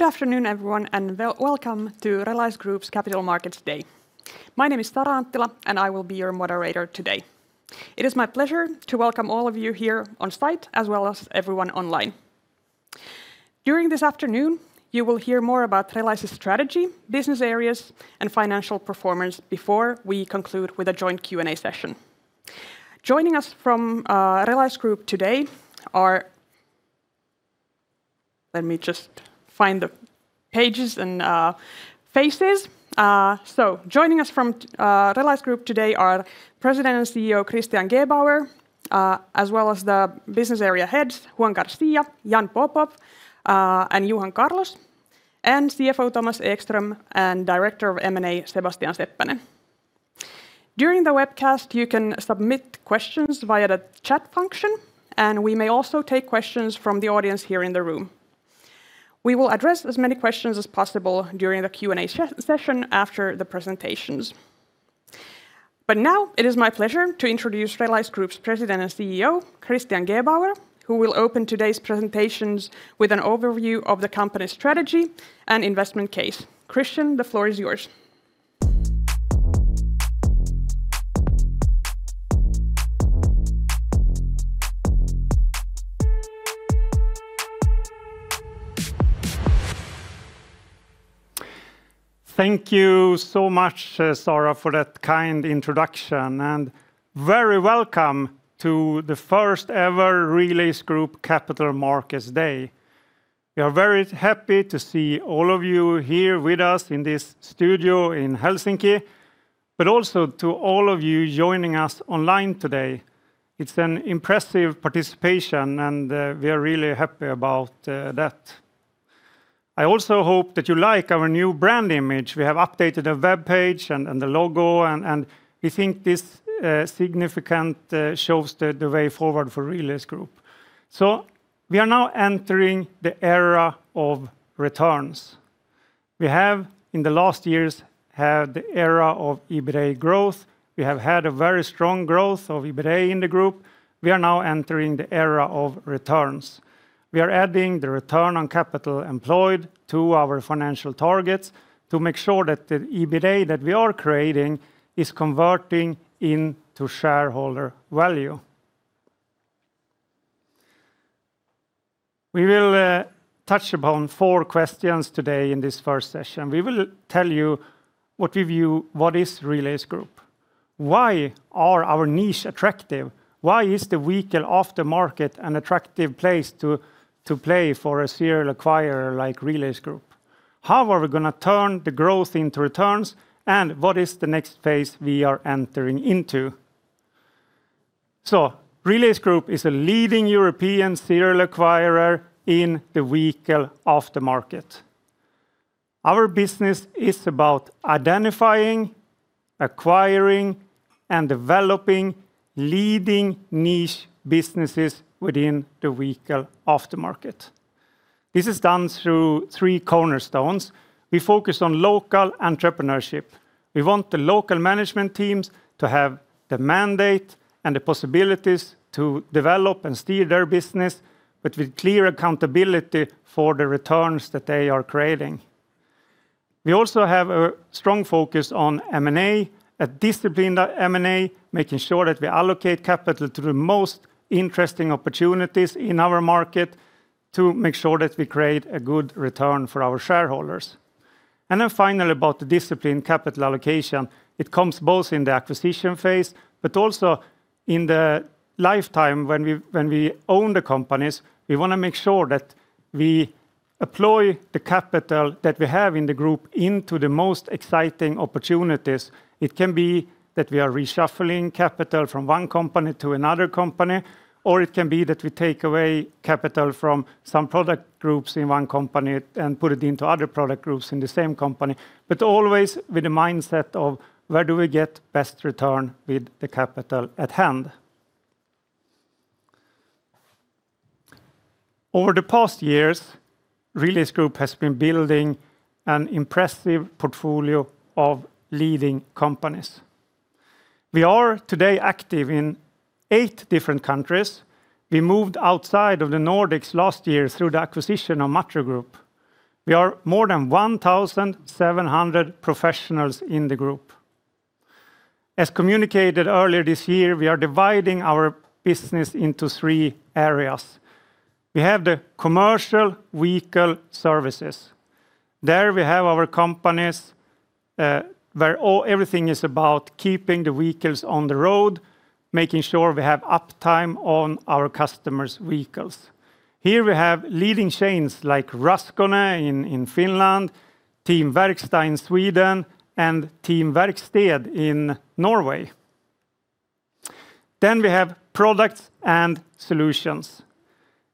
Good afternoon, everyone, and welcome to Relais Group's Capital Markets Day. My name is Sara Anttila, I will be your moderator today. It is my pleasure to welcome all of you here on site as well as everyone online. During this afternoon, you will hear more about Relais' strategy, business areas, and financial performance before we conclude with a joint Q&A session. Joining us from Relais Group today are, let me just find the pages and faces. Joining us from Relais Group today are President and CEO Christian Gebauer, as well as the business area heads Juan Garcia, Jan Popov, and Johan Carlos, and CFO Thomas Ekström, and Director of M&A Sebastian Seppänen. During the webcast, you can submit questions via the chat function, we may also take questions from the audience here in the room. We will address as many questions as possible during the Q&A session after the presentations. Now it is my pleasure to introduce Relais Group's President and CEO Christian Gebauer, who will open today's presentations with an overview of the company strategy and investment case. Christian, the floor is yours. Thank you so much, Sara, for that kind introduction, and very welcome to the first ever Relais Group Capital Markets Day. We are very happy to see all of you here with us in this studio in Helsinki, but also to all of you joining us online today. It's an impressive participation and we are really happy about that. I also hope that you like our new brand image. We have updated a web page and the logo and we think this significant shows the way forward for Relais Group. We are now entering the era of returns. We have in the last years had the era of EBITA growth. We have had a very strong growth of EBITA in the group. We are now entering the era of returns. We are adding the return on capital employed to our financial targets to make sure that the EBITA that we are creating is converting into shareholder value. We will touch upon four questions today in this first session. We will tell you what we view what is Relais Group, why are our niche attractive, why is the vehicle aftermarket an attractive place to play for a serial acquirer like Relais Group, how are we gonna turn the growth into returns, and what is the next phase we are entering into? Relais Group is a leading European serial acquirer in the vehicle aftermarket. Our business is about identifying, acquiring, and developing leading niche businesses within the vehicle aftermarket. This is done through three cornerstones. We focus on local entrepreneurship. We want the local management teams to have the mandate and the possibilities to develop and steer their business, but with clear accountability for the returns that they are creating. We also have a strong focus on M&A, a disciplined M&A, making sure that we allocate capital to the most interesting opportunities in our market to make sure that we create a good return for our shareholders. Finally, about the disciplined capital allocation. It comes both in the acquisition phase but also in the lifetime when we own the companies. We want to make sure that we employ the capital that we have in the group into the most exciting opportunities. It can be that we are reshuffling capital from one company to another company, or it can be that we take away capital from some product groups in one company and put it into other product groups in the same company. Always with the mindset of, "Where do we get best return with the capital at hand?" Over the past years, Relais Group has been building an impressive portfolio of leading companies. We are today active in eight different countries. We moved outside of the Nordics last year through the acquisition of Matro Group. We are more than 1,700 professionals in the group. As communicated earlier this year, we are dividing our business into three areas. We have the Commercial Vehicle Services. There we have our companies, everything is about keeping the vehicles on the road, making sure we have uptime on our customers' vehicles. Here we have leading chains like Raskone in Finland, Team Verkstad in Sweden, and Team Verksted in Norway. We have Products and Solutions.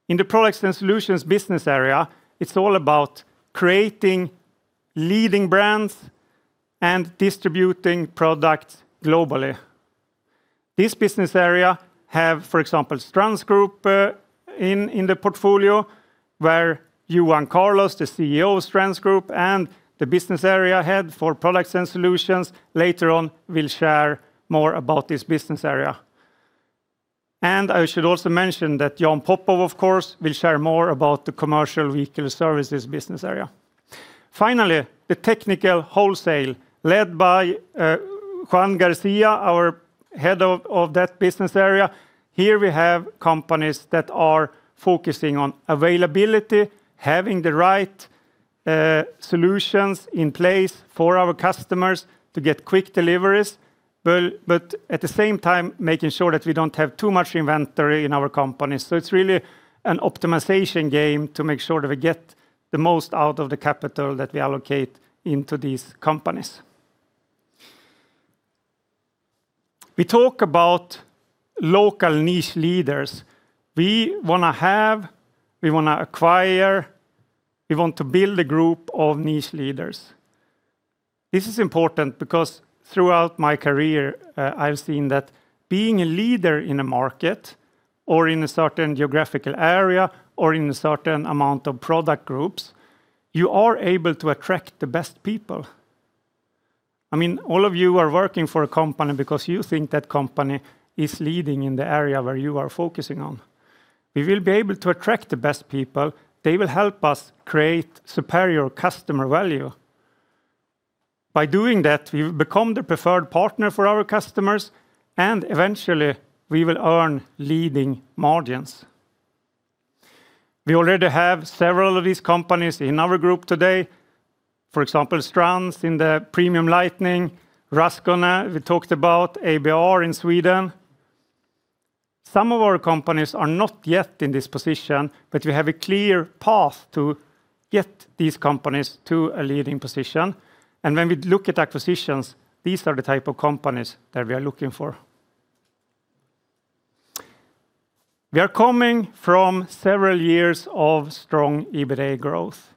In the Products and Solutions Business Area, it's all about creating leading brands and distributing products globally. This business area have, for example, Strands Group, in the portfolio, where Johan Carlos, the CEO of Strands Group, and the Business Area Head for Products and Solutions later on will share more about this business area. I should also mention that Jan Popov, of course, will share more about the Commercial Vehicle Services Business Area. Finally, the Technical Wholesale led by Juan Garcia, our head of that business area. Here we have companies that are focusing on availability, having the right solutions in place for our customers to get quick deliveries, but at the same time, making sure that we don't have too much inventory in our companies. It's really an optimization game to make sure that we get the most out of the capital that we allocate into these companies. We talk about local niche leaders. We wanna have, we wanna acquire, we want to build a group of niche leaders. This is important because throughout my career, I've seen that being a leader in a market or in a certain geographical area or in a certain amount of product groups, you are able to attract the best people. I mean, all of you are working for a company because you think that company is leading in the area where you are focusing on. We will be able to attract the best people. They will help us create superior customer value. By doing that, we will become the preferred partner for our customers. Eventually we will earn leading margins. We already have several of these companies in our group today. For example, Strands in the premium lighting, Raskone we talked about, ABR in Sweden. Some of our companies are not yet in this position, but we have a clear path to get these companies to a leading position. When we look at acquisitions, these are the type of companies that we are looking for. We are coming from several years of strong EBITA growth.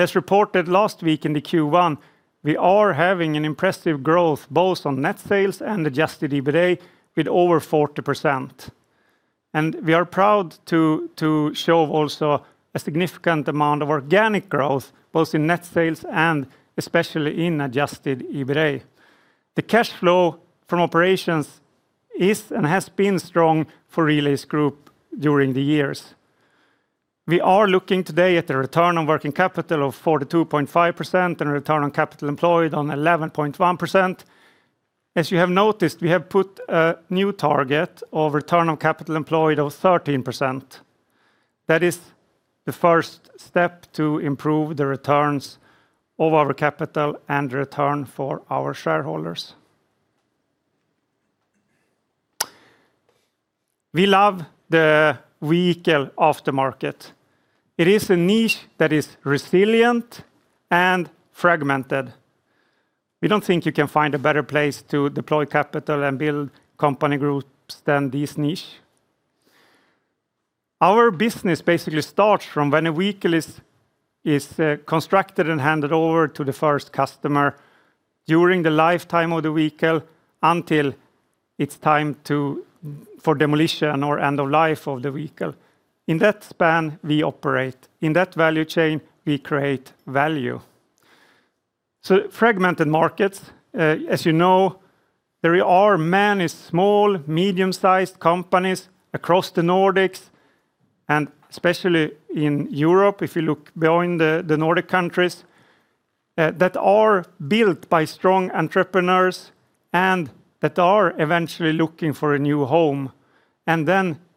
As reported last week in the Q1, we are having an impressive growth both on net sales and adjusted EBITA with over 40%. We are proud to show also a significant amount of organic growth both in net sales and especially in adjusted EBITA. The cash flow from operations is and has been strong for Relais Group during the years. We are looking today at the return on working capital of 42.5% and return on capital employed on 11.1%. As you have noticed, we have put a new target of return on capital employed of 13%. That is the first step to improve the returns of our capital and return for our shareholders. We love the vehicle aftermarket. It is a niche that is resilient and fragmented. We don't think you can find a better place to deploy capital and build company groups than this niche. Our business basically starts from when a vehicle is constructed and handed over to the first customer during the lifetime of the vehicle until it's time for demolition or end of life of the vehicle. In that span, we operate. In that value chain, we create value. Fragmented markets, as you know, there are many small, medium-sized companies across the Nordics, and especially in Europe, if you look beyond the Nordic countries, that are built by strong entrepreneurs and that are eventually looking for a new home.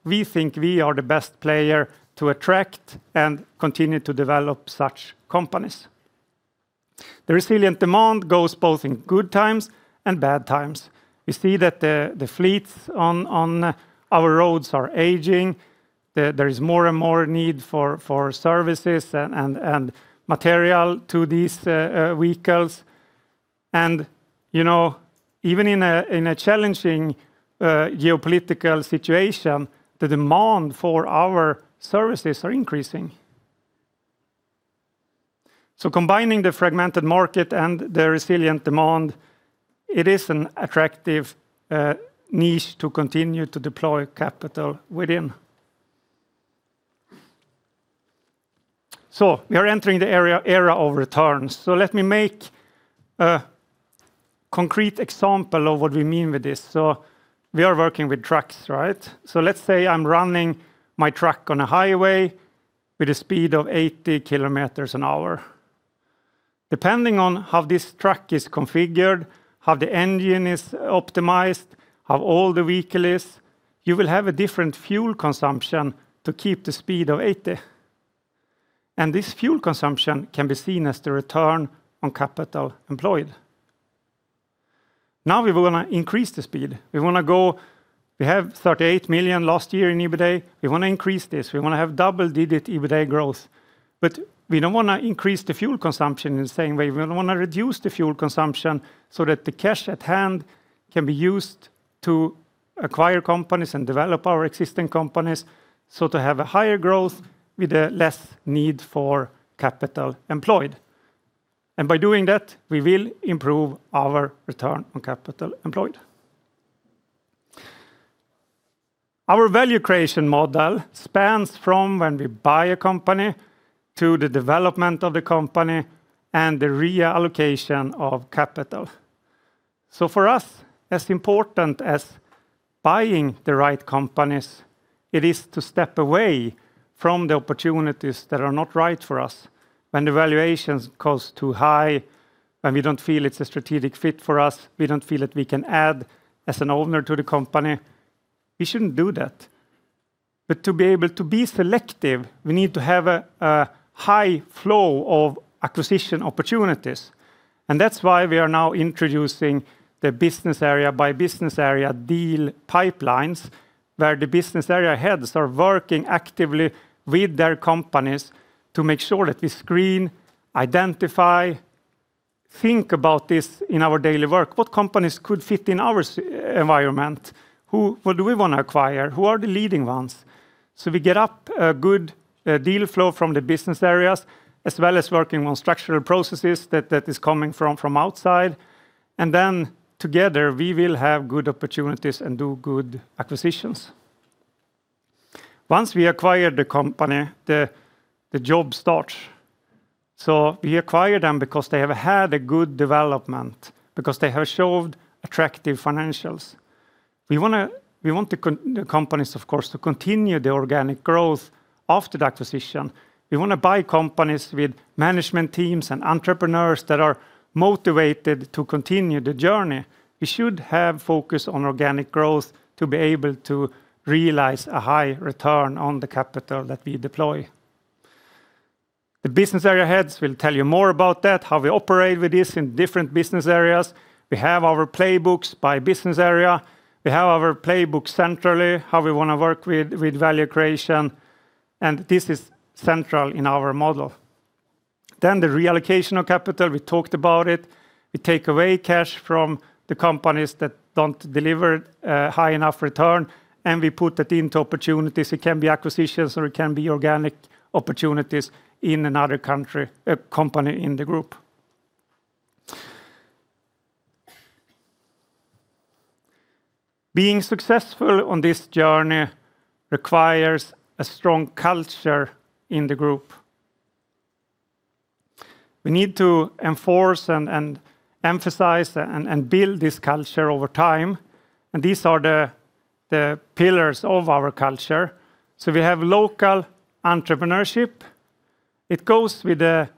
We think we are the best player to attract and continue to develop such companies. The resilient demand goes both in good times and bad times. We see that the fleets on our roads are aging. There is more and more need for services and material to these vehicles. You know, even in a challenging geopolitical situation, the demand for our services are increasing. Combining the fragmented market and the resilient demand, it is an attractive niche to continue to deploy capital within. We are entering the era of returns. Let me make a concrete example of what we mean with this. We are working with trucks, right? Let's say I'm running my truck on a highway with a speed of 80 km/h. Depending on how this truck is configured, how the engine is optimized, how old the vehicle is, you will have a different fuel consumption to keep the speed of 80 km/h. This fuel consumption can be seen as the return on capital employed. Now we will wanna increase the speed. We have 38 million last year in EBITA. We wanna increase this. We wanna have double-digit EBITA growth, but we don't wanna increase the fuel consumption in the same way. We wanna reduce the fuel consumption so that the cash at hand can be used to acquire companies and develop our existing companies, so to have a higher growth with a less need for capital employed. By doing that, we will improve our return on capital employed. Our value creation model spans from when we buy a company to the development of the company and the reallocation of capital. For us, as important as buying the right companies, it is to step away from the opportunities that are not right for us. When the valuations go too high and we don't feel it's a strategic fit for us, we don't feel that we can add as an owner to the company, we shouldn't do that. To be able to be selective, we need to have a high flow of acquisition opportunities. That's why we are now introducing the business area by business area deal pipelines, where the business area heads are working actively with their companies to make sure that we screen, identify, think about this in our daily work. What companies could fit in our environment? What do we wanna acquire? Who are the leading ones? We get up a good deal flow from the business areas, as well as working on structural processes that is coming from outside. Together, we will have good opportunities and do good acquisitions. Once we acquire the company, the job starts. We acquire them because they have had a good development, because they have showed attractive financials. We want the companies, of course, to continue the organic growth after the acquisition. We wanna buy companies with management teams and entrepreneurs that are motivated to continue the journey. We should have focus on organic growth to be able to realize a high return on the capital that we deploy. The business area heads will tell you more about that, how we operate with this in different business areas. We have our playbooks by business area. We have our playbook centrally, how we wanna work with value creation, and this is central in our model. The reallocation of capital, we talked about it. We take away cash from the companies that don't deliver a high enough return, and we put it into opportunities. It can be acquisitions, or it can be organic opportunities in another country, company in the Relais Group. Being successful on this journey requires a strong culture in the Relais Group. We need to enforce and emphasize and build this culture over time, and these are the pillars of our culture. We have local entrepreneurship. It goes with the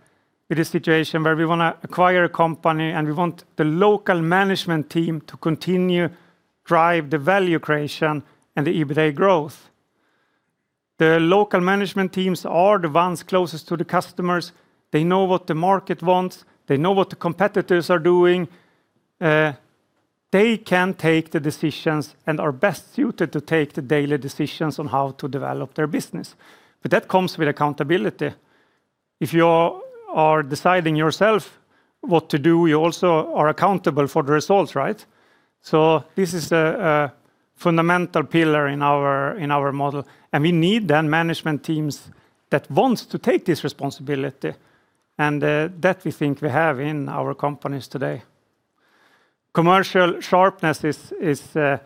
situation where we wanna acquire a company, and we want the local management team to continue drive the value creation and the EBITA growth. The local management teams are the ones closest to the customers. They know what the market wants. They know what the competitors are doing. They can take the decisions and are best suited to take the daily decisions on how to develop their business, but that comes with accountability. If you are deciding yourself what to do, you also are accountable for the results, right? This is a fundamental pillar in our model, and we need then management teams that wants to take this responsibility and that we think we have in our companies today. Commercial sharpness is the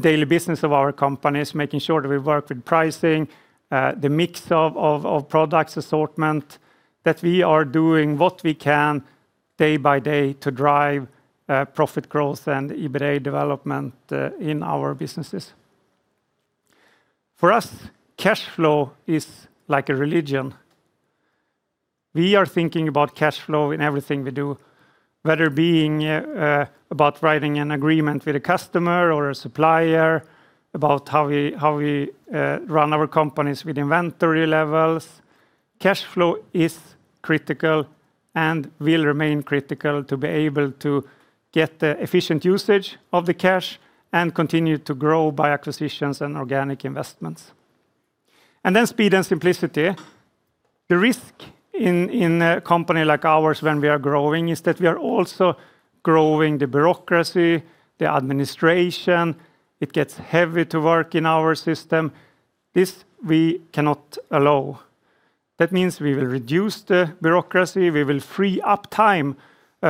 daily business of our companies, making sure that we work with pricing, the mix of products assortment, that we are doing what we can day by day to drive profit growth and EBITA development in our businesses. For us, cash flow is like a religion. We are thinking about cash flow in everything we do, whether it being about writing an agreement with a customer or a supplier, about how we run our companies with inventory levels. Cash flow is critical and will remain critical to be able to get the efficient usage of the cash and continue to grow by acquisitions and organic investments. Speed and simplicity. The risk in a company like ours when we are growing is that we are also growing the bureaucracy, the administration. It gets heavy to work in our system. This we cannot allow. That means we will reduce the bureaucracy. We will free up time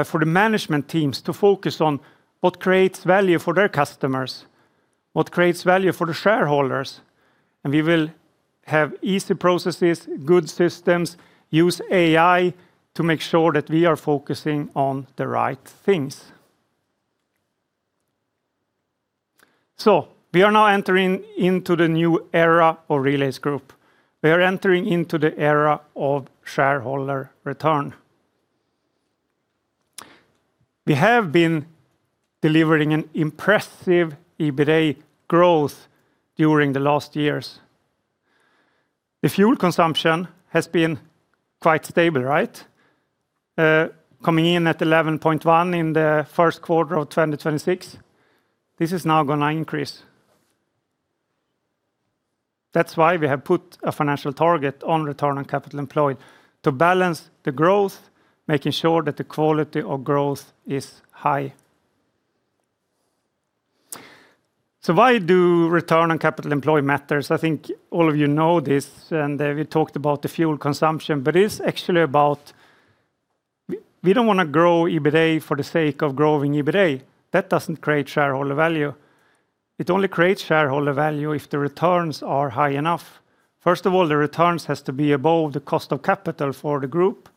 for the management teams to focus on what creates value for their customers, what creates value for the shareholders, and we will have easy processes, good systems, use AI to make sure that we are focusing on the right things. We are now entering into the new era of Relais Group. We are entering into the era of shareholder return. We have been delivering an impressive EBITA growth during the last years. The fuel consumption has been quite stable, right? Coming in at 11.1% in the first quarter of 2026. This is now gonna increase. That's why we have put a financial target on return on capital employed, to balance the growth, making sure that the quality of growth is high. Why do return on capital employed matters? I think all of you know this, and we talked about the fuel consumption, but it's actually about. We don't wanna grow EBITA for the sake of growing EBITA. That doesn't create shareholder value. It only creates shareholder value if the returns are high enough. First of all, the returns has to be above the cost of capital for the group.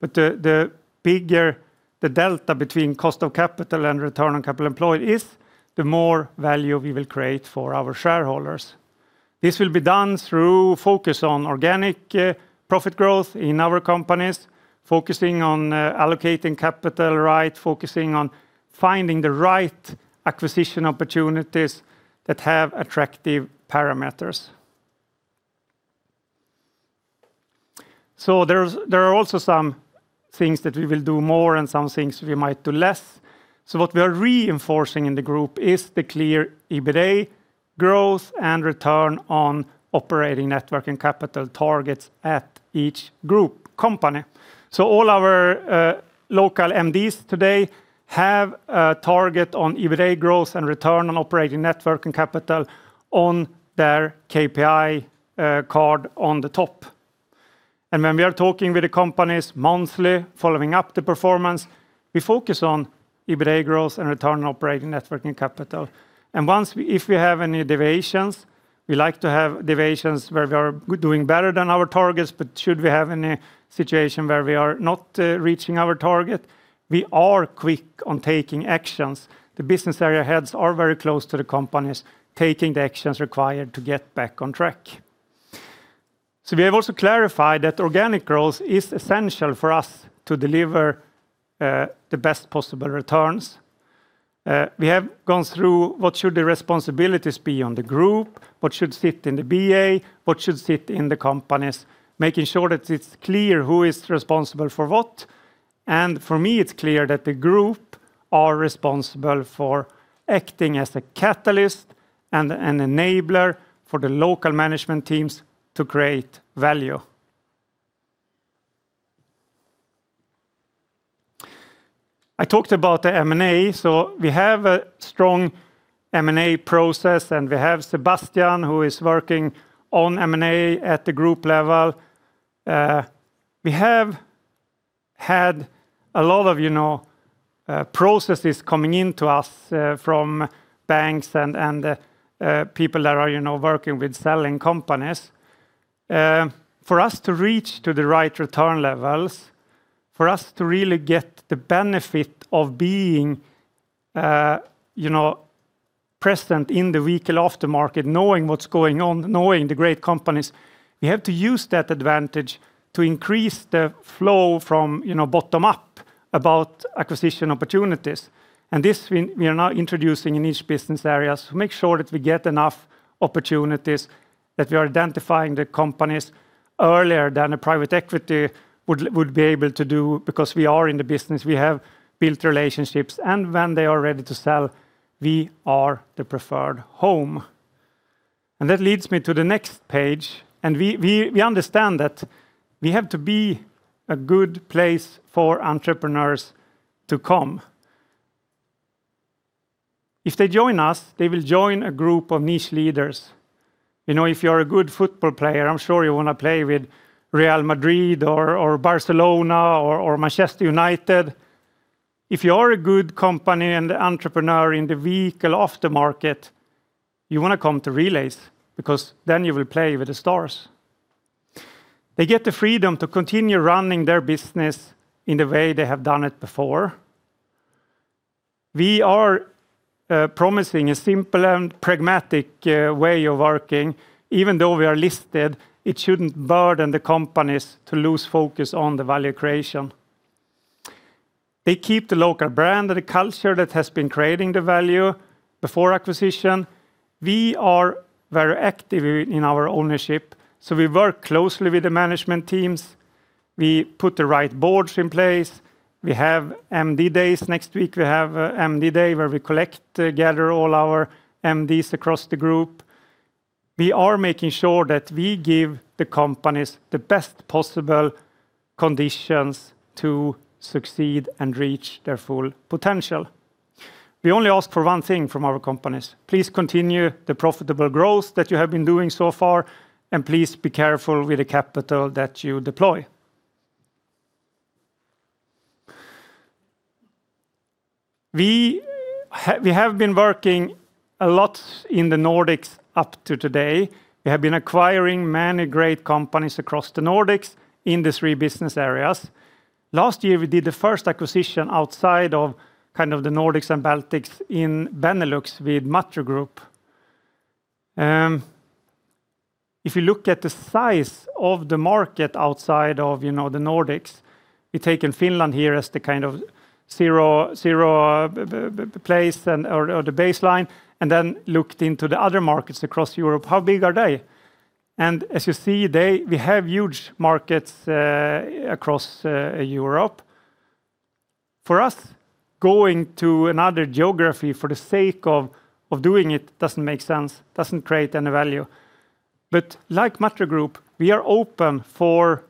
The bigger the delta between cost of capital and return on capital employed is, the more value we will create for our shareholders. This will be done through focus on organic profit growth in our companies, focusing on allocating capital right, focusing on finding the right acquisition opportunities that have attractive parameters. There are also some things that we will do more and some things we might do less. What we're reinforcing in the group is the clear EBITA growth and return on operating net working capital targets at each group company. All our local MDs today have a target on EBITA growth and return on operating net working capital on their KPI card on the top. When we are talking with the companies monthly, following up the performance, we focus on EBITA growth and return on operating net working capital. Once if we have any deviations, we like to have deviations where we are doing better than our targets, but should we have any situation where we are not reaching our target, we are quick on taking actions. The business area heads are very close to the companies, taking the actions required to get back on track. We have also clarified that organic growth is essential for us to deliver the best possible returns. We have gone through what should the responsibilities be on the group, what should sit in the BA, what should sit in the companies, making sure that it's clear who is responsible for what. For me, it's clear that the group are responsible for acting as a catalyst and an enabler for the local management teams to create value. I talked about the M&A, we have a strong M&A process, we have Sebastian, who is working on M&A at the group level. We have had a lot of, you know, processes coming into us from banks and people that are, you know, working with selling companies. For us to reach to the right return levels, for us to really get the benefit of being, you know, present in the vehicle aftermarket, knowing what's going on, knowing the great companies, we have to use that advantage to increase the flow from, you know, bottom up about acquisition opportunities. This we are now introducing in each business areas to make sure that we get enough opportunities, that we are identifying the companies earlier than a private equity would be able to do because we are in the business. We have built relationships. When they are ready to sell, we are the preferred home. That leads me to the next page. We understand that we have to be a good place for entrepreneurs to come. If they join us, they will join a group of niche leaders. You know, if you're a good football player, I'm sure you wanna play with Real Madrid or Barcelona or Manchester United. If you're a good company and entrepreneur in the vehicle aftermarket, you wanna come to Relais because then you will play with the stars. They get the freedom to continue running their business in the way they have done it before. We are promising a simple and pragmatic way of working. Even though we are listed, it shouldn't burden the companies to lose focus on the value creation. They keep the local brand or the culture that has been creating the value before acquisition. We are very active in our ownership, we work closely with the management teams. We put the right boards in place. We have MD days next week. We have a MD day where we collect, gather all our MDs across the group. We are making sure that we give the companies the best possible conditions to succeed and reach their full potential. We only ask for one thing from our companies. Please continue the profitable growth that you have been doing so far, and please be careful with the capital that you deploy. We have been working a lot in the Nordics up to today. We have been acquiring many great companies across the Nordics in the three business areas. Last year, we did the first acquisition outside of kind of the Nordics and Baltics in Benelux with Matro Group. If you look at the size of the market outside of, you know, the Nordics, we've taken Finland here as the kind of zero place and/or the baseline, then looked into the other markets across Europe, how big are they? As you see, we have huge markets across Europe. For us, going to another geography for the sake of doing it doesn't make sense, doesn't create any value. Like Matro Group, we are open for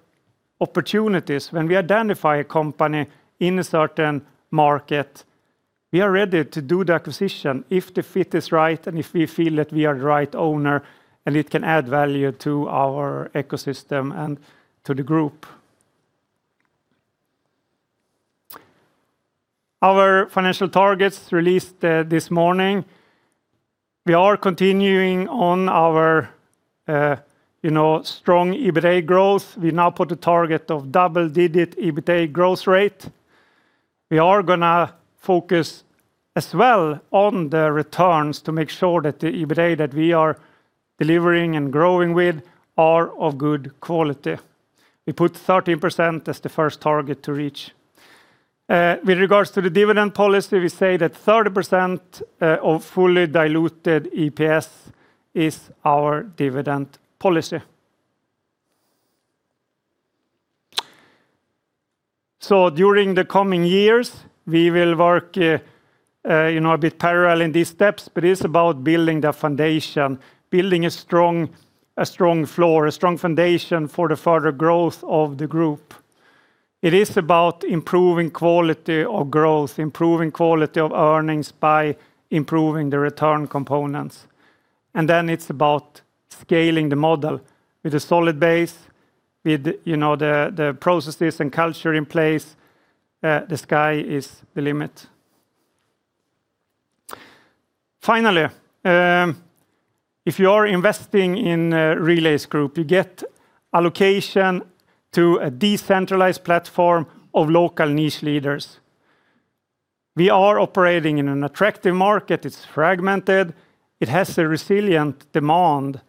opportunities when we identify a company in a certain market We are ready to do the acquisition if the fit is right, and if we feel that we are the right owner, and it can add value to our ecosystem and to the group. Our financial targets released this morning. We are continuing on our, you know, strong EBITA growth. We now put a target of double-digit EBITA growth rate. We are gonna focus as well on the returns to make sure that the EBITA that we are delivering and growing with are of good quality. We put 13% as the first target to reach. With regards to the dividend policy, we say that 30% of fully diluted EPS is our dividend policy. During the coming years, we will work, you know, a bit parallel in these steps, but it is about building the foundation, building a strong floor, a strong foundation for the further growth of the group. It is about improving quality of growth, improving quality of earnings by improving the return components, it's about scaling the model with a solid base with, you know, the processes and culture in place. The sky is the limit. Finally, if you are investing in Relais Group, you get allocation to a decentralized platform of local niche leaders. We are operating in an attractive market. It's fragmented. It has a resilient demand.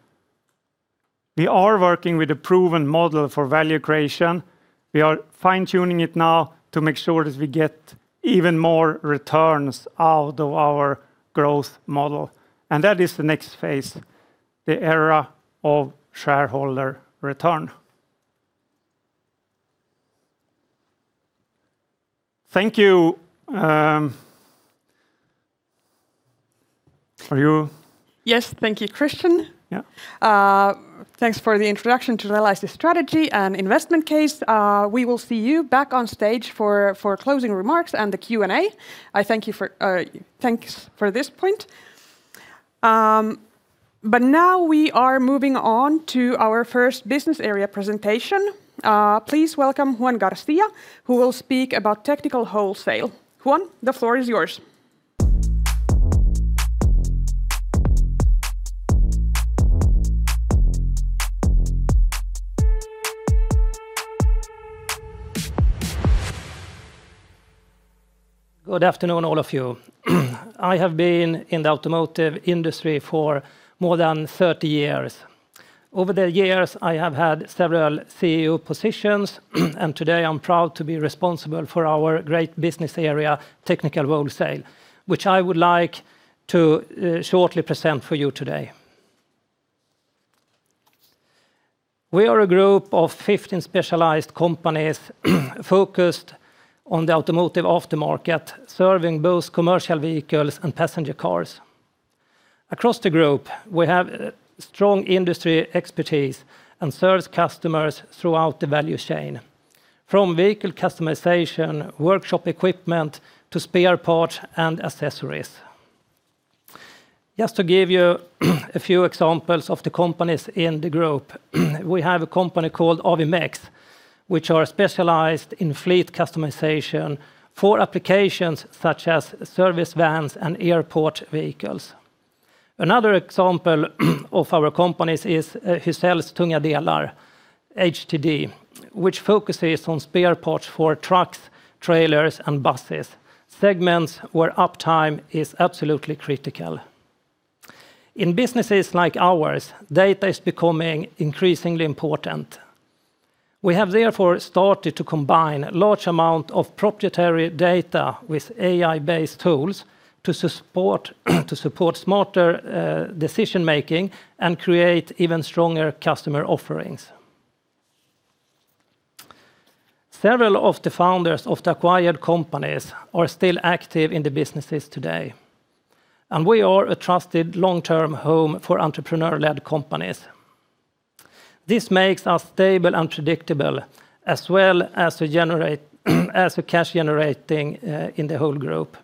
We are working with a proven model for value creation. We are fine-tuning it now to make sure that we get even more returns out of our growth model, and that is the next phase, the era of shareholder return. Thank you. Yes. Thank you, Christian. Yeah. Thanks for the introduction to Relais the strategy and investment case. We will see you back on stage for closing remarks and the Q&A. Thanks for this point. Now we are moving on to our first business area presentation. Please welcome Juan Garcia, who will speak about Technical Wholesale. Juan, the floor is yours. Good afternoon, all of you. I have been in the automotive industry for more than 30 years. Over the years, I have had several CEO positions, and today I'm proud to be responsible for our great Business Area Technical Wholesale, which I would like to shortly present for you today. We are a group of 15 specialized companies focused on the automotive aftermarket, serving both commercial vehicles and passenger cars. Across the group, we have strong industry expertise and service customers throughout the value chain, from vehicle customization, workshop equipment, to spare parts and accessories. Just to give you a few examples of the companies in the group, we have a company called Awimex, which are specialized in fleet customization for applications such as service vans and airport vehicles. Another example of our companies is Huzells Tunga Delar, HTD, which focuses on spare parts for trucks, trailers, and buses, segments where uptime is absolutely critical. In businesses like ours, data is becoming increasingly important. We have therefore started to combine large amount of proprietary data with AI-based tools to support smarter decision-making and create even stronger customer offerings. Several of the founders of the acquired companies are still active in the businesses today, and we are a trusted long-term home for entrepreneur-led companies. This makes us stable and predictable, as well as a cash generating in the whole group.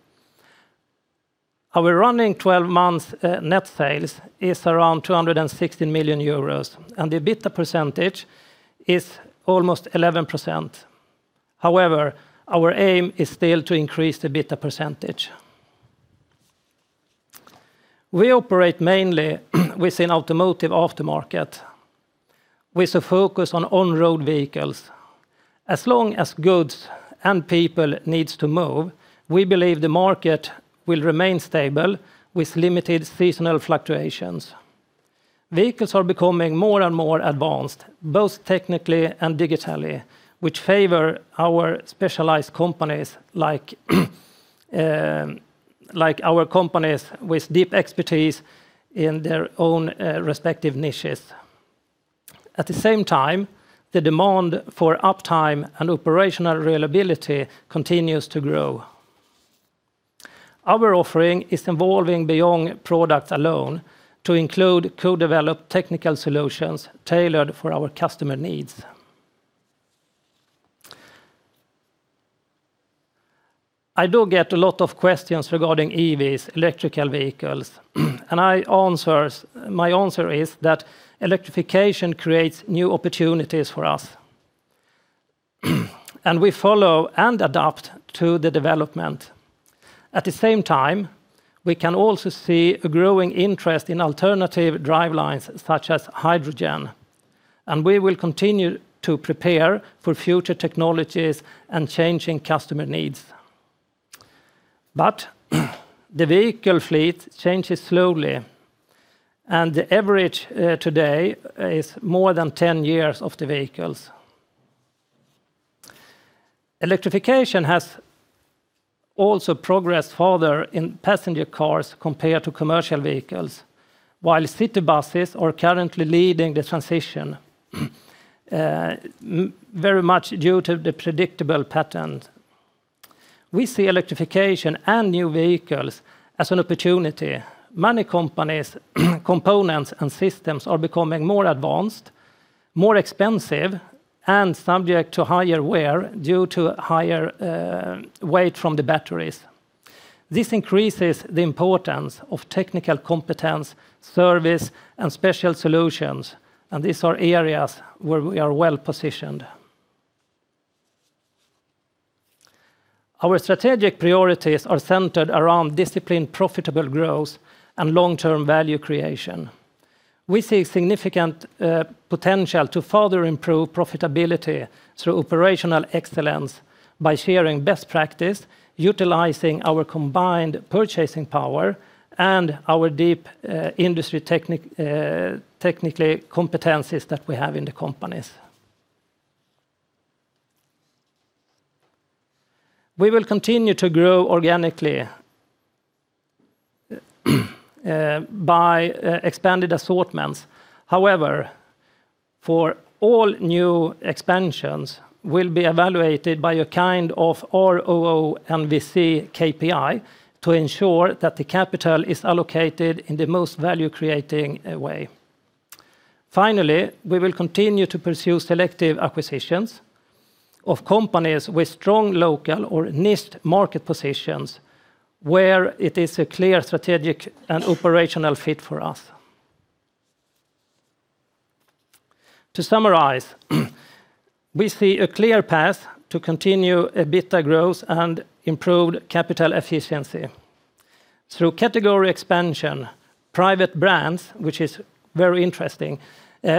Our running 12 months net sales is around 216 million euros, and the EBITA percentage is almost 11%. However, our aim is still to increase the EBITA percentage. We operate mainly within automotive aftermarket with a focus on on-road vehicles. As long as goods and people needs to move, we believe the market will remain stable with limited seasonal fluctuations. Vehicles are becoming more and more advanced, both technically and digitally, which favor our specialized companies like our companies with deep expertise in their own respective niches. At the same time, the demand for uptime and operational reliability continues to grow. Our offering is evolving beyond products alone to include co-developed technical solutions tailored for our customer needs. I do get a lot of questions regarding EVs, electrical vehicles, my answer is that electrification creates new opportunities for us. We follow and adapt to the development. At the same time, we can also see a growing interest in alternative drivelines such as hydrogen, and we will continue to prepare for future technologies and changing customer needs. The vehicle fleet changes slowly, and the average today is more than 10 years of the vehicles. Electrification has also progressed further in passenger cars compared to commercial vehicles, while city buses are currently leading the transition very much due to the predictable pattern. We see electrification and new vehicles as an opportunity. Many companies' components, and systems are becoming more advanced, more expensive, and subject to higher wear due to higher weight from the batteries. This increases the importance of technical competence, service, and special solutions, and these are areas where we are well-positioned. Our strategic priorities are centered around disciplined, profitable growth and long-term value creation. We see significant potential to further improve profitability through operational excellence by sharing best practice, utilizing our combined purchasing power, and our deep technical competencies that we have in the companies. We will continue to grow organically by expanded assortments. However, for all new expansions will be evaluated by a kind of RONWC KPI to ensure that the capital is allocated in the most value-creating way. Finally, we will continue to pursue selective acquisitions of companies with strong local or niche market positions where it is a clear strategic and operational fit for us. To summarize, we see a clear path to continue EBITA growth and improved capital efficiency through category expansion, private brands, which is very interesting,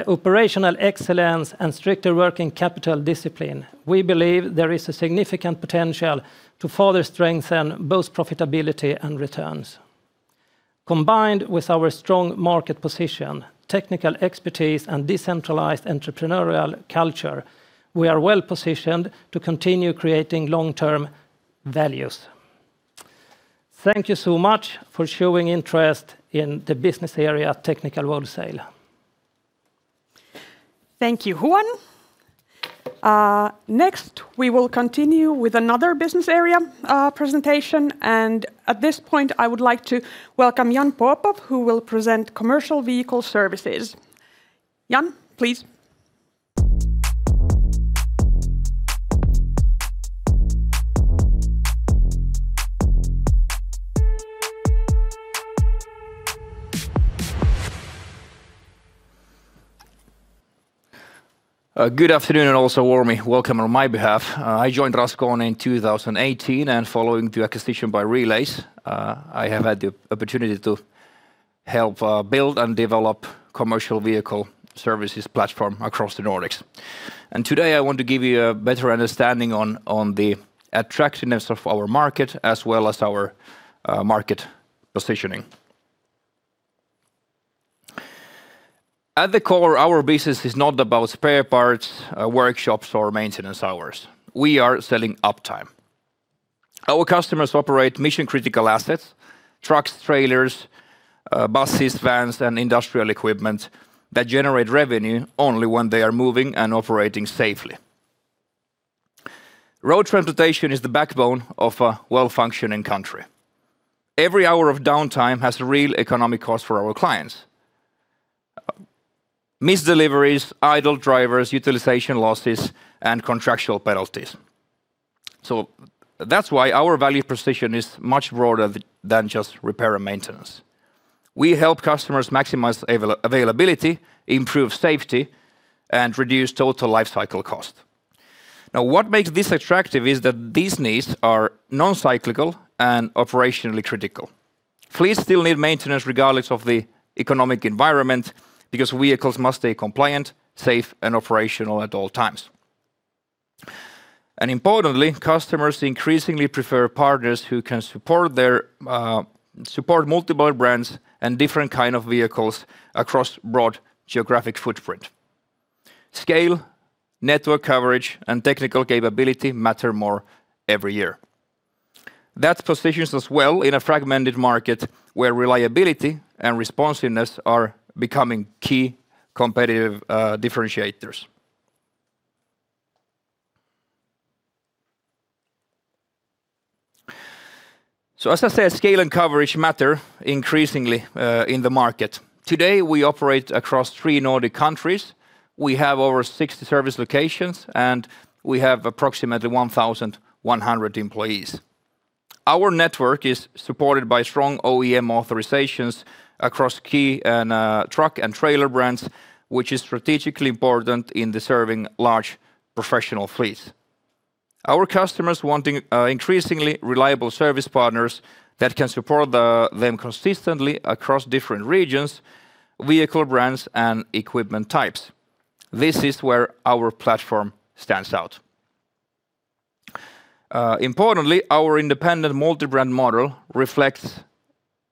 operational excellence, and stricter working capital discipline. We believe there is a significant potential to further strengthen both profitability and returns. Combined with our strong market position, technical expertise, and decentralized entrepreneurial culture, we are well-positioned to continue creating long-term values. Thank you so much for showing interest in the Business Area Technical Wholesale. Thank you, Juan. Next, we will continue with another business area presentation. At this point, I would like to welcome Jan Popov, who will present Commercial Vehicle Services. Jan, please. Good afternoon, and also warm welcome on my behalf. I joined Raskone in 2018, and following the acquisition by Relais, I have had the opportunity to help build and develop Commercial Vehicle Services platform across the Nordics. Today, I want to give you a better understanding on the attractiveness of our market as well as our market positioning. At the core, our business is not about spare parts, workshops, or maintenance hours. We are selling uptime. Our customers operate mission-critical assets, trucks, trailers, buses, vans, and industrial equipment that generate revenue only when they are moving and operating safely. Road transportation is the backbone of a well-functioning country. Every hour of downtime has a real economic cost for our clients. Missed deliveries, idle drivers, utilization losses, and contractual penalties. That's why our value precision is much broader than just repair and maintenance. We help customers maximize availability, improve safety, and reduce total life cycle cost. What makes this attractive is that these needs are non-cyclical and operationally critical. Fleets still need maintenance regardless of the economic environment because vehicles must stay compliant, safe, and operational at all times. Importantly, customers increasingly prefer partners who can support their support multiple brands and different kind of vehicles across broad geographic footprint. Scale, network coverage, and technical capability matter more every year. That positions us well in a fragmented market where reliability and responsiveness are becoming key competitive differentiators. As I said, scale and coverage matter increasingly in the market. Today, we operate across three Nordic countries. We have over 60 service locations, and we have approximately 1,100 employees. Our network is supported by strong OEM authorizations across key and truck and trailer brands, which is strategically important in the serving large professional fleets. Our customers wanting increasingly reliable service partners that can support them consistently across different regions, vehicle brands and equipment types. This is where our platform stands out. Importantly, our independent multi-brand model reflects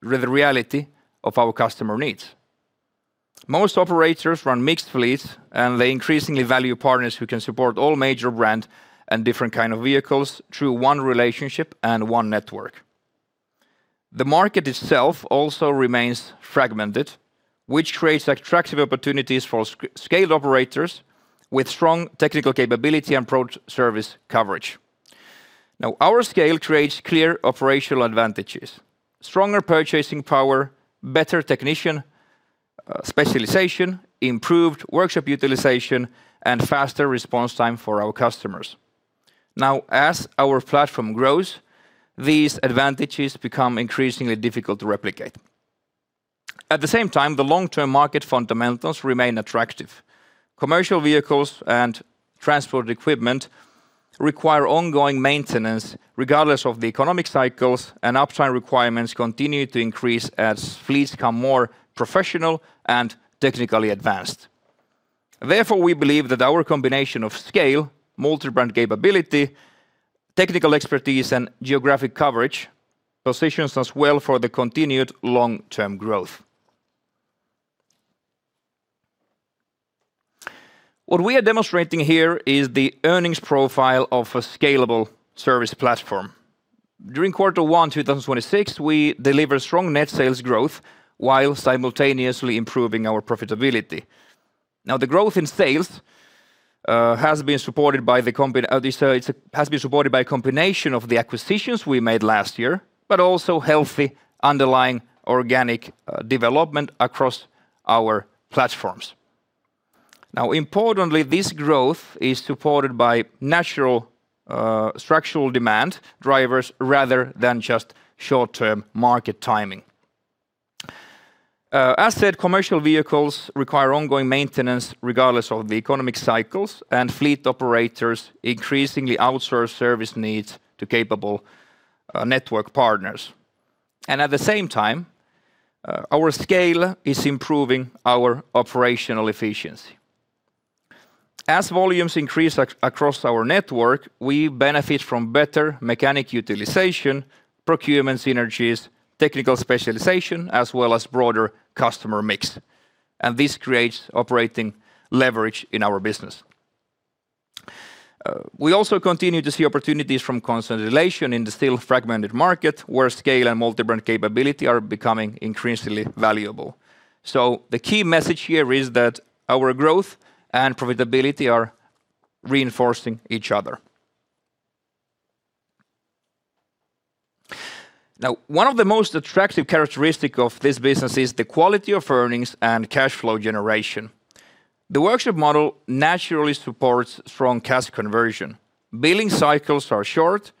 the reality of our customer needs. Most operators run mixed fleets, they increasingly value partners who can support all major brand and different kind of vehicles through one relationship and one network. The market itself also remains fragmented, which creates attractive opportunities for scale operators with strong technical capability and broad service coverage. Our scale creates clear operational advantages, stronger purchasing power, better technician specialization, improved workshop utilization, and faster response time for our customers. Now, as our platform grows, these advantages become increasingly difficult to replicate. At the same time, the long-term market fundamentals remain attractive. Commercial vehicles and transport equipment require ongoing maintenance regardless of the economic cycles and uptime requirements continue to increase as fleets become more professional and technically advanced. Therefore, we believe that our combination of scale, multi-brand capability, technical expertise and geographic coverage positions us well for the continued long-term growth. What we are demonstrating here is the earnings profile of a scalable service platform. During Q1 2026, we delivered strong net sales growth while simultaneously improving our profitability. Now the growth in sales has been supported by a combination of the acquisitions we made last year, but also healthy underlying organic development across our platforms. Importantly, this growth is supported by natural structural demand drivers rather than just short-term market timing. As said, commercial vehicles require ongoing maintenance regardless of the economic cycles and fleet operators increasingly outsource service needs to capable network partners. At the same time, our scale is improving our operational efficiency. As volumes increase across our network, we benefit from better mechanic utilization, procurement synergies, technical specialization, as well as broader customer mix, and this creates operating leverage in our business. We also continue to see opportunities from consolidation in the still fragmented market, where scale and multi-brand capability are becoming increasingly valuable. The key message here is that our growth and profitability are reinforcing each other. One of the most attractive characteristic of this business is the quality of earnings and cash flow generation. The workshop model naturally supports strong cash conversion. Billing cycles are short,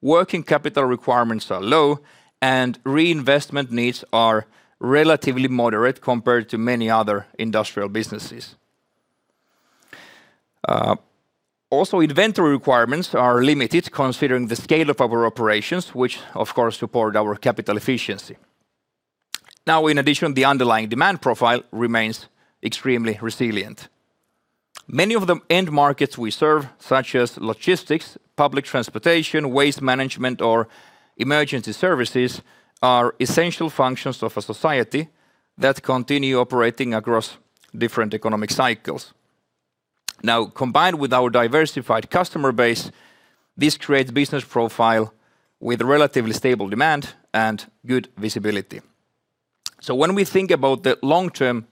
working capital requirements are low, and reinvestment needs are relatively moderate compared to many other industrial businesses. Also, inventory requirements are limited considering the scale of our operations, which of course support our capital efficiency. In addition, the underlying demand profile remains extremely resilient. Many of the end markets we serve, such as logistics, public transportation, waste management or emergency services, are essential functions of a society that continue operating across different economic cycles. Combined with our diversified customer base, this creates business profile with relatively stable demand and good visibility. When we think about the long-term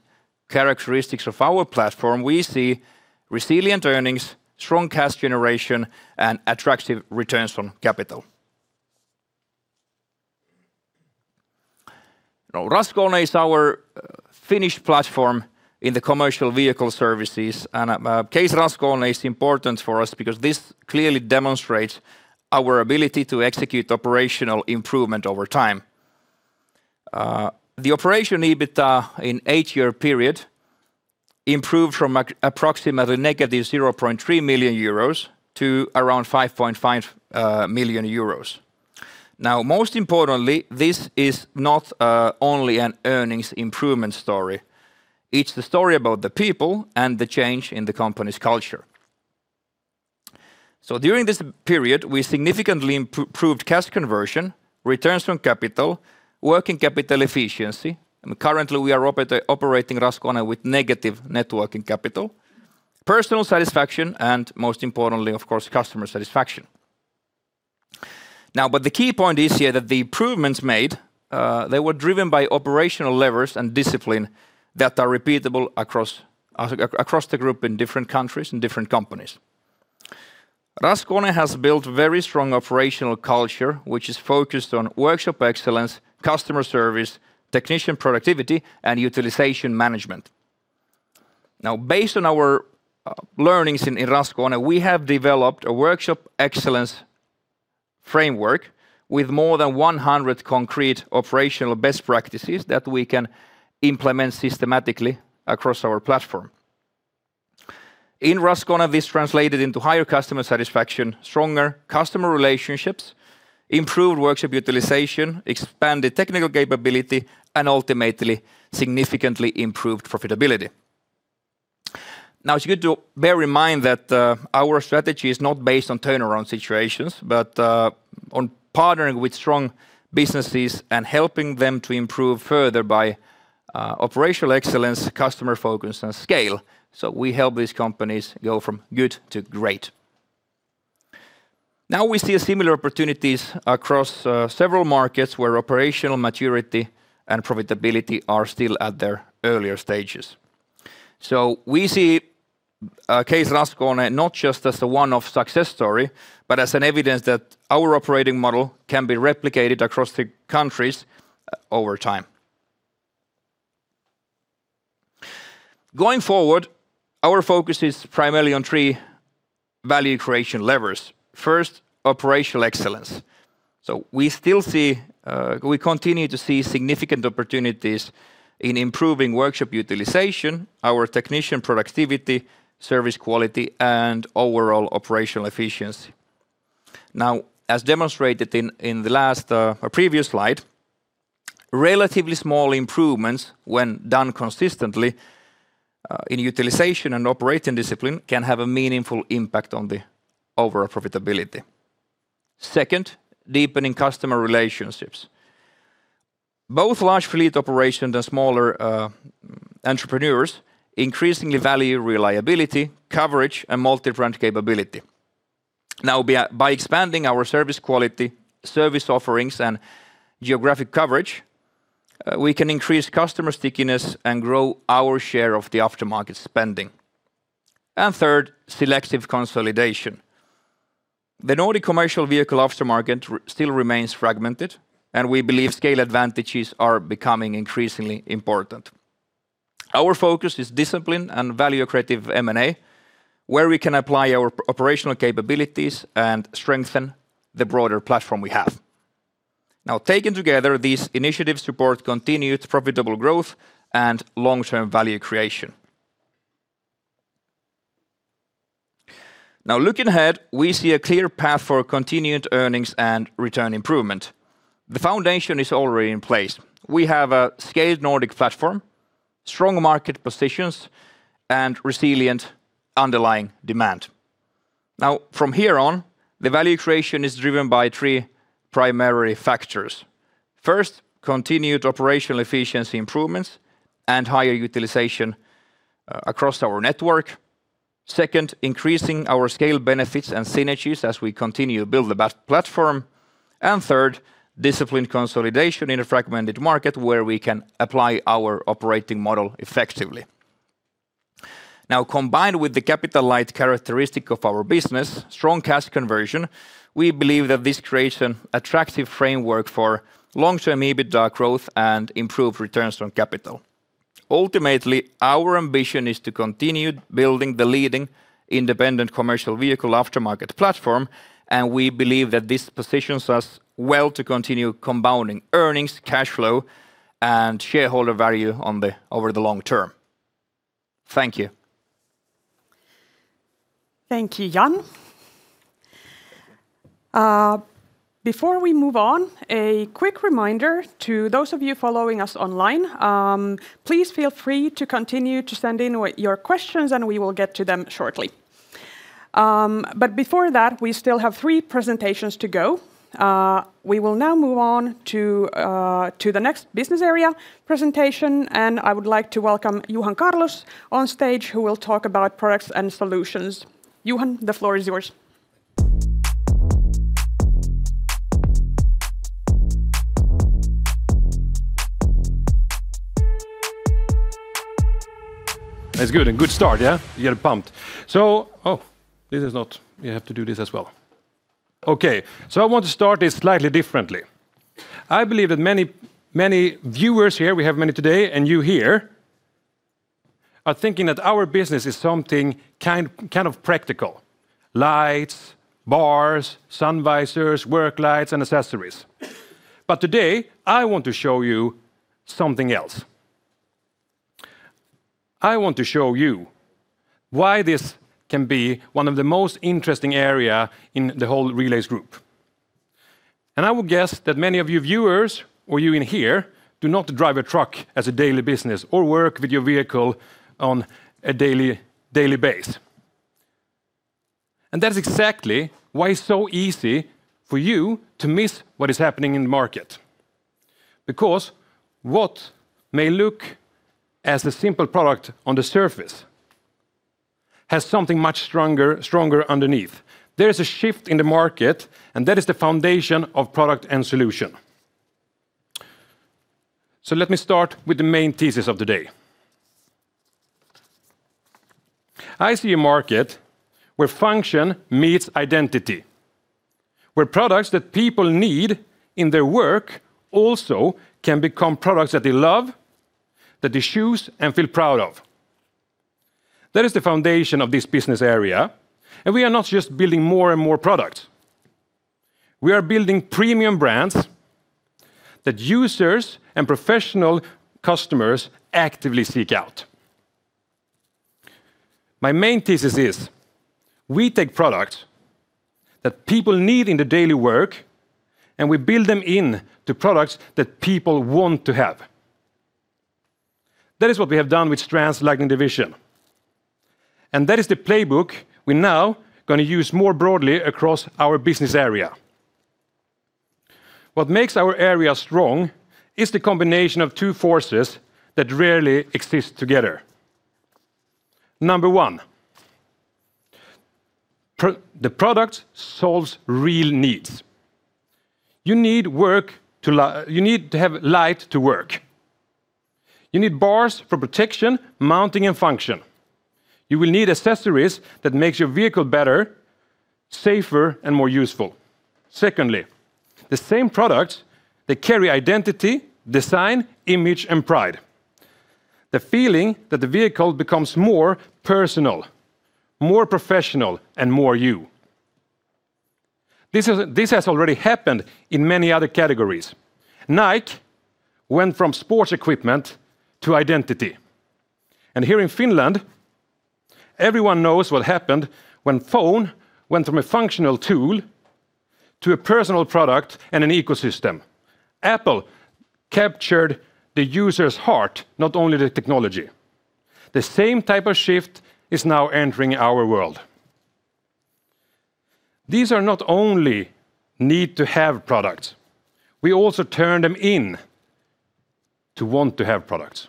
characteristics of our platform, we see resilient earnings, strong cash generation and attractive returns on capital. Raskone is our Finnish platform in the Commercial Vehicle Services, and case Raskone is important for us because this clearly demonstrates our ability to execute operational improvement over time. The operation EBITA in eight-year period improved from approximately -0.3 million euros to around 5.5 million euros. Most importantly, this is not only an earnings improvement story. It's the story about the people and the change in the company's culture. During this period, we significantly improved cash conversion, returns from capital, working capital efficiency, and currently we are operating Raskone with negative net working capital, personnel satisfaction and most importantly, of course, customer satisfaction. But the key point is here that the improvements made, they were driven by operational levers and discipline that are repeatable across the group in different countries and different companies. Raskone has built very strong operational culture, which is focused on workshop excellence, customer service, technician productivity, and utilization management. Based on our learnings in Raskone, we have developed a workshop excellence framework with more than 100 concrete operational best practices that we can implement systematically across our platform. In Raskone, this translated into higher customer satisfaction, stronger customer relationships, improved workshop utilization, expanded technical capability, and ultimately, significantly improved profitability. It's good to bear in mind that our strategy is not based on turnaround situations, but on partnering with strong businesses and helping them to improve further by operational excellence, customer focus and scale. We help these companies go from good to great. Now we see similar opportunities across several markets where operational maturity and profitability are still at their earlier stages. We see a case Raskone not just as a one-off success story, but as an evidence that our operating model can be replicated across the countries over time. Going forward, our focus is primarily on three value creation levers. First, operational excellence. We continue to see significant opportunities in improving workshop utilization, our technician productivity, service quality, and overall operational efficiency. Now, as demonstrated in the last or previous slide, relatively small improvements when done consistently in utilization and operating discipline can have a meaningful impact on the overall profitability. Second, deepening customer relationships. Both large fleet operations and smaller entrepreneurs increasingly value reliability, coverage, and multi-brand capability. By expanding our service quality, service offerings, and geographic coverage, we can increase customer stickiness and grow our share of the aftermarket spending. Third, selective consolidation. The Nordic commercial vehicle aftermarket still remains fragmented, and we believe scale advantages are becoming increasingly important. Our focus is discipline and value creative M&A, where we can apply our operational capabilities and strengthen the broader platform we have. Taken together, these initiatives support continued profitable growth and long-term value creation. Looking ahead, we see a clear path for continued earnings and return improvement. The foundation is already in place. We have a scaled Nordic platform, strong market positions, and resilient underlying demand. From here on, the value creation is driven by three primary factors. First, continued operational efficiency improvements and higher utilization across our network. Second, increasing our scale benefits and synergies as we continue to build the best platform. Third, disciplined consolidation in a fragmented market where we can apply our operating model effectively. Now, combined with the capital-light characteristic of our business, strong cash conversion, we believe that this creates an attractive framework for long-term EBITA growth and improved returns on capital. Ultimately, our ambition is to continue building the leading independent commercial vehicle aftermarket platform, and we believe that this positions us well to continue compounding earnings, cash flow, and shareholder value over the long term. Thank you. Thank you, Jan. Before we move on, a quick reminder to those of you following us online, please feel free to continue to send in your questions, and we will get to them shortly. Before that, we still have three presentations to go. We will now move on to the next business area presentation, and I would like to welcome Johan Carlos on stage, who will talk about Products and Solutions. Johan, the floor is yours. That's good. A good start, yeah? You're pumped. This is not, you have to do this as well. I want to start this slightly differently. I believe that many viewers here, we have many today, and you here, are thinking that our business is something kind of practical. Lights, bars, sun visors, work lights and accessories. Today, I want to show you something else. I want to show you why this can be one of the most interesting area in the whole Relais Group. I would guess that many of you viewers or you in here do not drive a truck as a daily business or work with your vehicle on a daily base. That's exactly why it's so easy for you to miss what is happening in the market. Because what may look as a simple product on the surface has something much stronger underneath. There is a shift in the market. That is the foundation of Products and Solutions. Let me start with the main thesis of today. I see a market where function meets identity, where products that people need in their work also can become products that they love, that they choose, and feel proud of. That is the foundation of this business area. We are not just building more and more products. We are building premium brands that users and professional customers actively seek out. My main thesis is, we take products that people need in their daily work, we build them into products that people want to have. That is what we have done with Strands Lighting Division. That is the playbook we now gonna use more broadly across our business area. What makes our area strong is the combination of two forces that rarely exist together. Number one, the product solves real needs. You need work to have light to work. You need bars for protection, mounting, and function. You will need accessories that makes your vehicle better, safer, and more useful. Secondly, the same products that carry identity, design, image, and pride. The feeling that the vehicle becomes more personal, more professional, and more you. This has already happened in many other categories. Nike went from sports equipment to identity. Here in Finland, everyone knows what happened when phone went from a functional tool to a personal product and an ecosystem. Apple captured the user's heart, not only the technology. The same type of shift is now entering our world. These are not only need to have products. We also turn them into want to have products,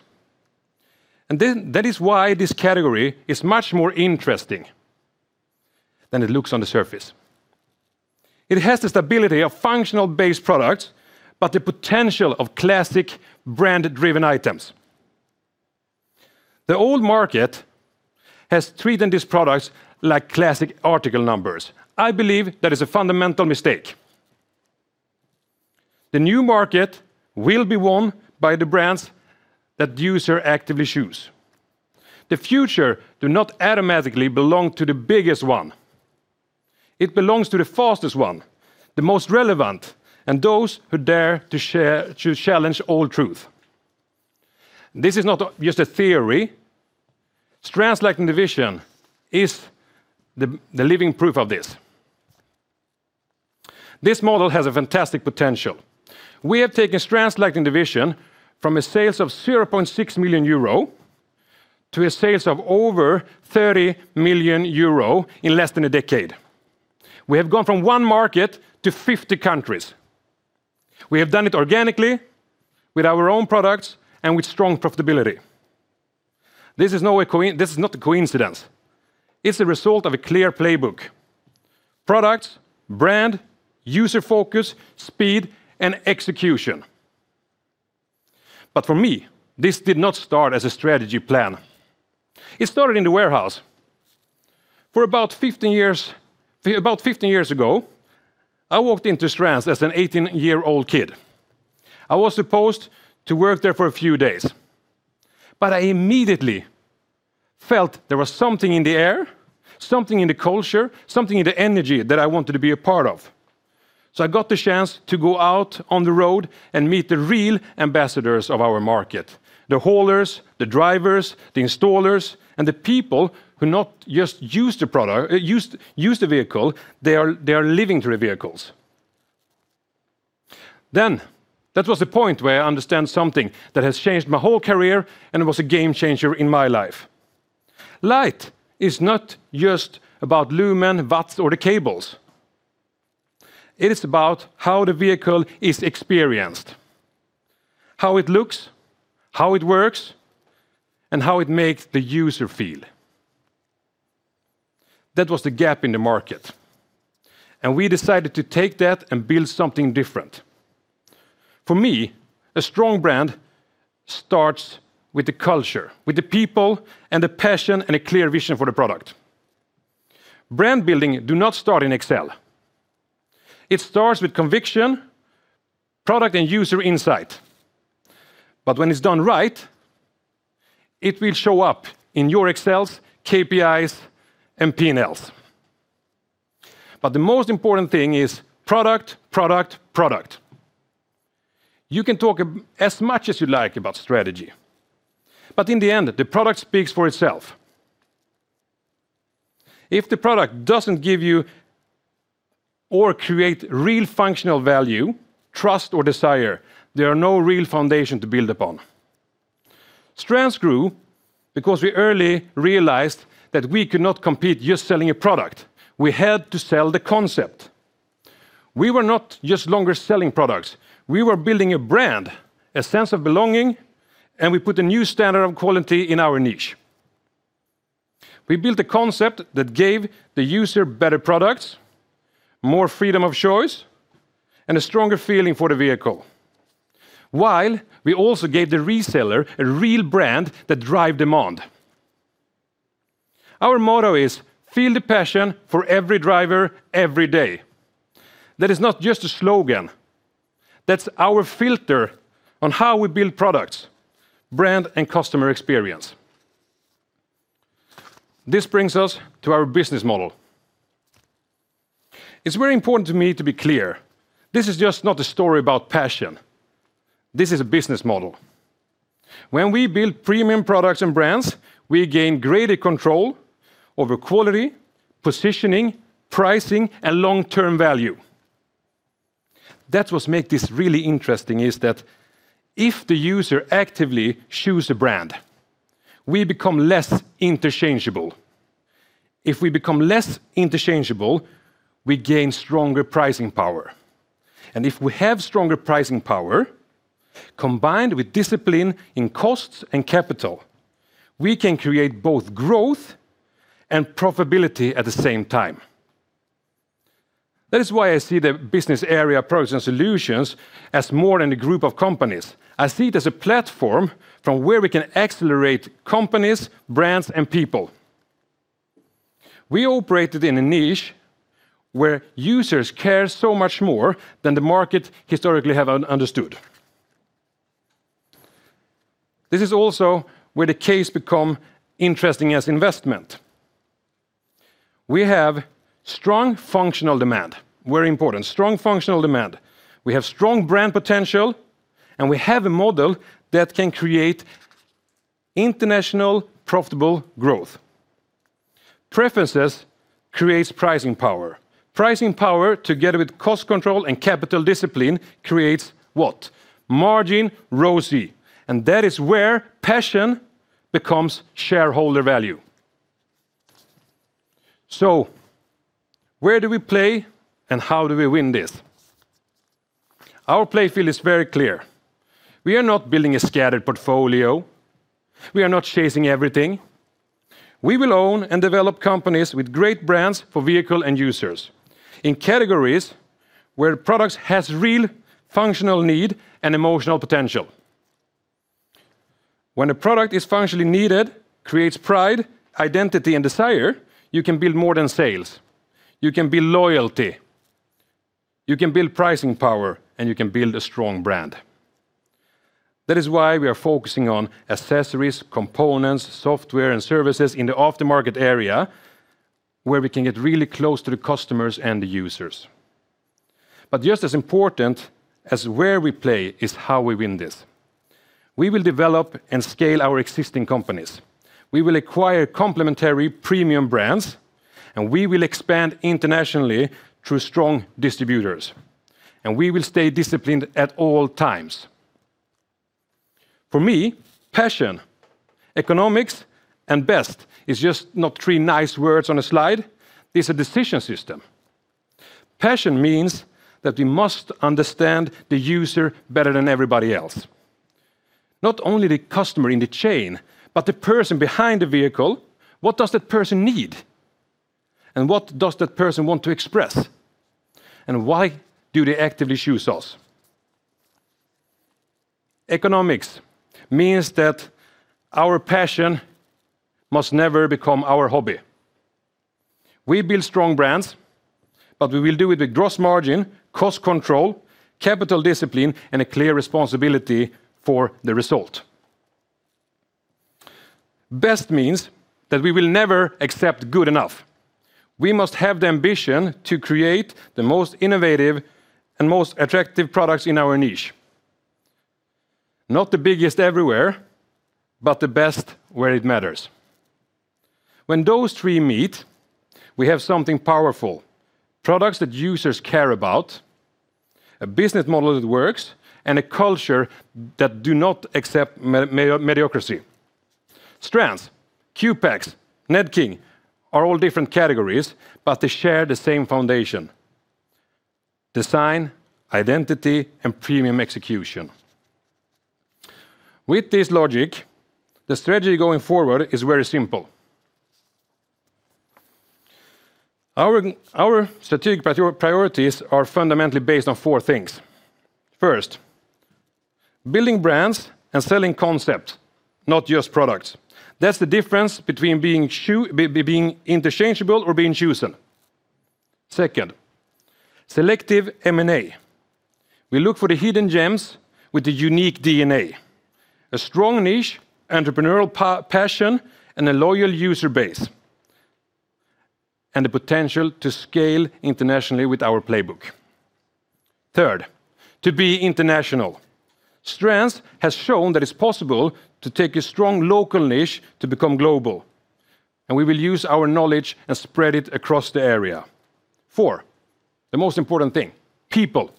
and then that is why this category is much more interesting than it looks on the surface. It has the stability of functional-based products, but the potential of classic brand-driven items. The old market has treated these products like classic article numbers. I believe that is a fundamental mistake. The new market will be won by the brands that users actively choose. The future does not automatically belong to the biggest one. It belongs to the fastest one, the most relevant, and those who dare to challenge old truth. This is not just a theory. Strands Lighting Division is the living proof of this. This model has a fantastic potential. We have taken Strands Lighting Division from a sales of 0.6 million euro to a sales of over 30 million euro in less than a decade. We have gone from one market to 50 countries. We have done it organically with our own products and with strong profitability. This is not a coincidence. It's a result of a clear playbook, products, brand, user focus, speed, and execution. For me, this did not start as a strategy plan. It started in the warehouse. About 15 years ago, I walked into Strands as an 18-year-old kid. I was supposed to work there for a few days, but I immediately felt there was something in the air, something in the culture, something in the energy that I wanted to be a part of. I got the chance to go out on the road and meet the real ambassadors of our market, the haulers, the drivers, the installers, and the people who not just use the product, use the vehicle, they are living through the vehicles. That was the point where I understand something that has changed my whole career and it was a game changer in my life. Light is not just about lumen, watts, or the cables. It is about how the vehicle is experienced, how it looks, how it works, and how it makes the user feel. That was the gap in the market, and we decided to take that and build something different. For me, a strong brand starts with the culture, with the people, and the passion, and a clear vision for the product. Brand building do not start in Excel. It starts with conviction, product, and user insight. When it's done right, it will show up in your Excels, KPIs, and P&Ls. The most important thing is product, product. You can talk as much as you like about strategy, but in the end, the product speaks for itself. If the product doesn't give you or create real functional value, trust, or desire, there are no real foundation to build upon. Strands grew because we early realized that we could not compete just selling a product. We had to sell the concept. We were not just selling products longer. We were building a brand, a sense of belonging, and we put a new standard of quality in our niche. We built a concept that gave the user better products, more freedom of choice, and a stronger feeling for the vehicle, while we also gave the reseller a real brand that drive demand. Our motto is feel the passion for every driver every day. That is not just a slogan. That's our filter on how we build products, brand, and customer experience. This brings us to our business model. It's very important to me to be clear. This is just not a story about passion. This is a business model. When we build premium products and brands, we gain greater control over quality, positioning, pricing, and long-term value. That's what make this really interesting is that if the user actively choose a brand, we become less interchangeable. If we become less interchangeable, we gain stronger pricing power, If we have stronger pricing power combined with discipline in cost and capital, we can create both growth and profitability at the same time. That is why I see the Business Area Products and Solutions as more than a group of companies. I see it as a platform from where we can accelerate companies, brands, and people. We operated in a niche where users care so much more than the market historically have understood. This is also where the case become interesting as investment. We have strong functional demand, very important, strong functional demand. We have strong brand potential, We have a model that can create international profitable growth. Preferences creates pricing power. Pricing power together with cost control and capital discipline creates what? Margin ROCE, That is where passion becomes shareholder value. Where do we play and how do we win this? Our play field is very clear. We are not building a scattered portfolio. We are not chasing everything. We will own and develop companies with great brands for vehicle and users in categories where products has real functional need and emotional potential. When a product is functionally needed, creates pride, identity, and desire, you can build more than sales. You can build loyalty. You can build pricing power, and you can build a strong brand. That is why we are focusing on accessories, components, software, and services in the aftermarket area where we can get really close to the customers and the users. Just as important as where we play is how we win this. We will develop and scale our existing companies. We will acquire complementary premium brands. We will expand internationally through strong distributors. We will stay disciplined at all times. For me, passion, economics, and best is just not three nice words on a slide. It's a decision system. Passion means that we must understand the user better than everybody else, not only the customer in the chain, but the person behind the vehicle. What does that person need? What does that person want to express? Why do they actively choose us? Economics means that our passion must never become our hobby. We build strong brands. We will do it with gross margin, cost control, capital discipline, and a clear responsibility for the result. Best means that we will never accept good enough. We must have the ambition to create the most innovative and most attractive products in our niche, not the biggest everywhere, but the best where it matters. When those three meet, we have something powerful: products that users care about, a business model that works, and a culture that do not accept mediocracy. Strands, Qpax, Nedking are all different categories, but they share the same foundation: design, identity, and premium execution. With this logic, the strategy going forward is very simple. Our strategic priorities are fundamentally based on four things. First, building brands and selling concepts, not just products. That's the difference between being interchangeable or being chosen. Second, selective M&A. We look for the hidden gems with the unique DNA, a strong niche, entrepreneurial passion, and a loyal user base, and the potential to scale internationally with our playbook. Third, to be international. Strands has shown that it's possible to take a strong local niche to become global. We will use our knowledge and spread it across the area. Four, the most important thing, people.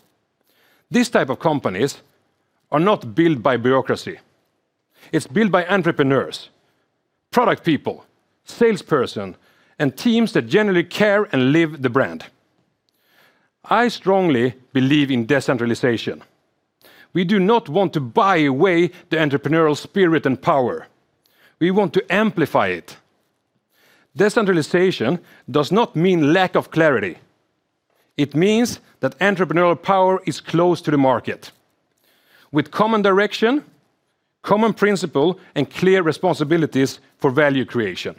These type of companies are not built by bureaucracy. It's built by entrepreneurs, product people, salesperson, and teams that generally care and live the brand. I strongly believe in decentralization. We do not want to buy away the entrepreneurial spirit and power. We want to amplify it. Decentralization does not mean lack of clarity. It means that entrepreneurial power is close to the market with common direction, common principle, and clear responsibilities for value creation.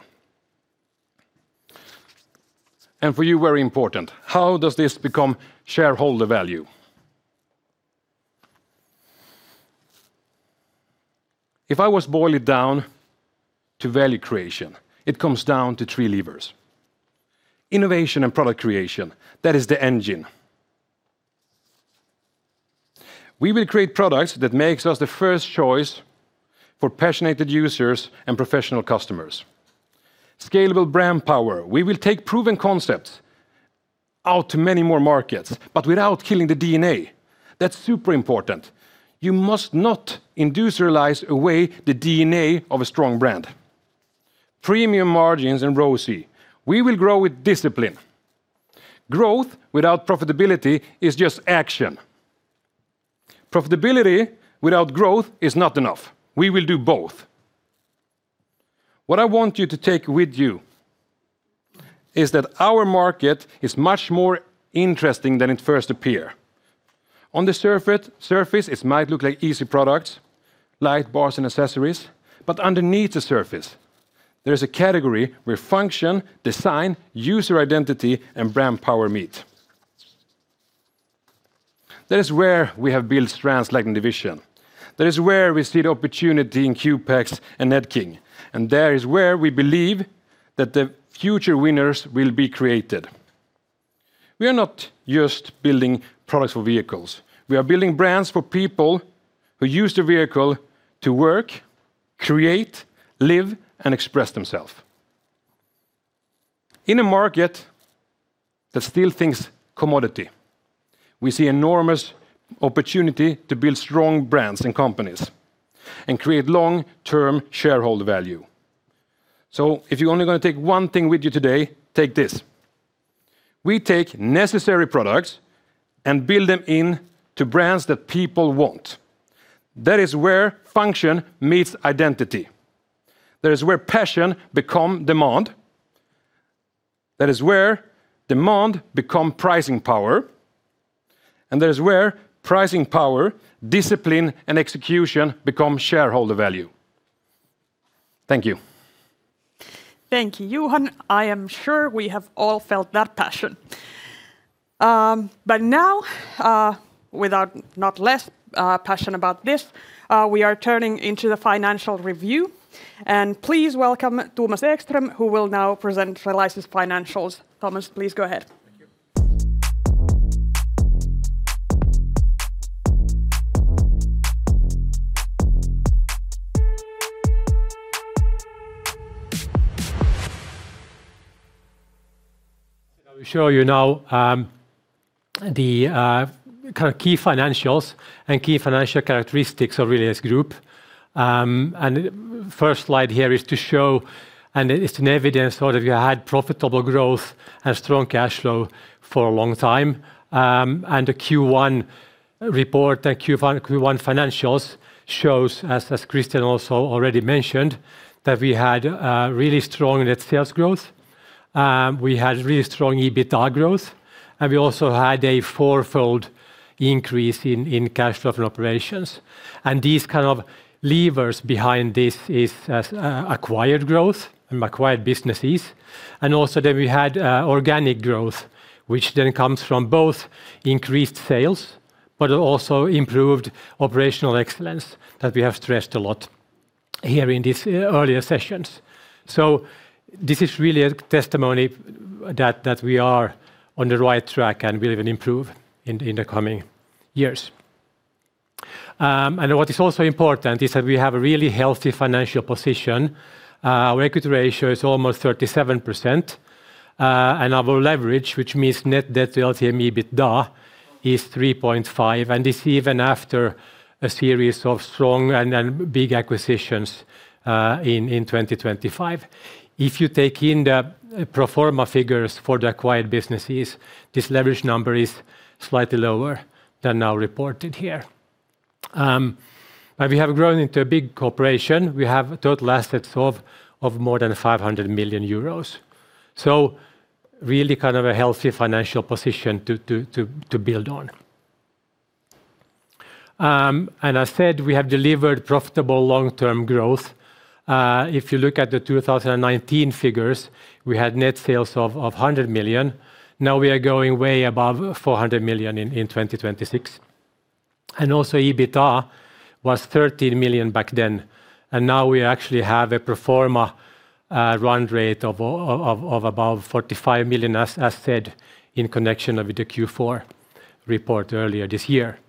For you, very important, how does this become shareholder value? If I was boil it down to value creation, it comes down to three levers. Innovation and product creation, that is the engine. We will create products that makes us the first choice for passionate users and professional customers. Scalable brand power, we will take proven concepts out to many more markets, without killing the DNA. That's super important. You must not industrialize away the DNA of a strong brand. Premium margins and ROCE. We will grow with discipline. Growth without profitability is just action. Profitability without growth is not enough. We will do both. What I want you to take with you is that our market is much more interesting than it first appear. On the surface, it might look like easy products, light bars and accessories, but underneath the surface, there's a category where function, design, user identity, and brand power meet. That is where we have built Strands Lighting Division. That is where we see the opportunity in Qpax and Nedking, there is where we believe that the future winners will be created. We are not just building products for vehicles. We are building brands for people who use the vehicle to work, create, live, and express themselves. In a market that still thinks commodity, we see enormous opportunity to build strong brands and companies and create long-term shareholder value. If you're only gonna take one thing with you today, take this. We take necessary products and build them into brands that people want. That is where function meets identity. That is where passion become demand. That is where demand become pricing power, that is where pricing power, discipline, and execution become shareholder value. Thank you. Thank you, Johan. I am sure we have all felt that passion. Now, without not less passion about this, we are turning into the financial review. Please welcome Thomas Ekström, who will now present Relais' financials. Thomas, please go ahead. Thank you. I will show you now the kind of key financials and key financial characteristics of Relais Group. First slide here is to show, and it is an evidence sort of you had profitable growth and strong cash flow for a long time. The Q1 report, the Q1 financials shows, as Christian also already mentioned, that we had really strong net sales growth. We had really strong EBITDA growth, and we also had a fourfold increase in cash flow from operations. These kind of levers behind this is acquired growth and acquired businesses. We had organic growth, which then comes from both increased sales, but also improved operational excellence that we have stressed a lot here in these earlier sessions. This is really a testimony that we are on the right track and will even improve in the coming years. What is also important is that we have a really healthy financial position. Our equity ratio is almost 37%, and our leverage, which means net debt to LTM EBITDA, is 3.5x, and this even after a series of strong and big acquisitions in 2025. If you take in the pro forma figures for the acquired businesses, this leverage number is slightly lower than now reported here. We have grown into a big corporation. We have total assets of more than 500 million euros. Really kind of a healthy financial position to build on. I said we have delivered profitable long-term growth. If you look at the 2019 figures, we had net sales of 100 million. Now we are going way above 400 million in 2026. Also EBITA was 13 million back then, and now we actually have a pro forma run rate of about 45 million, as said, in connection with the Q4 report earlier this year.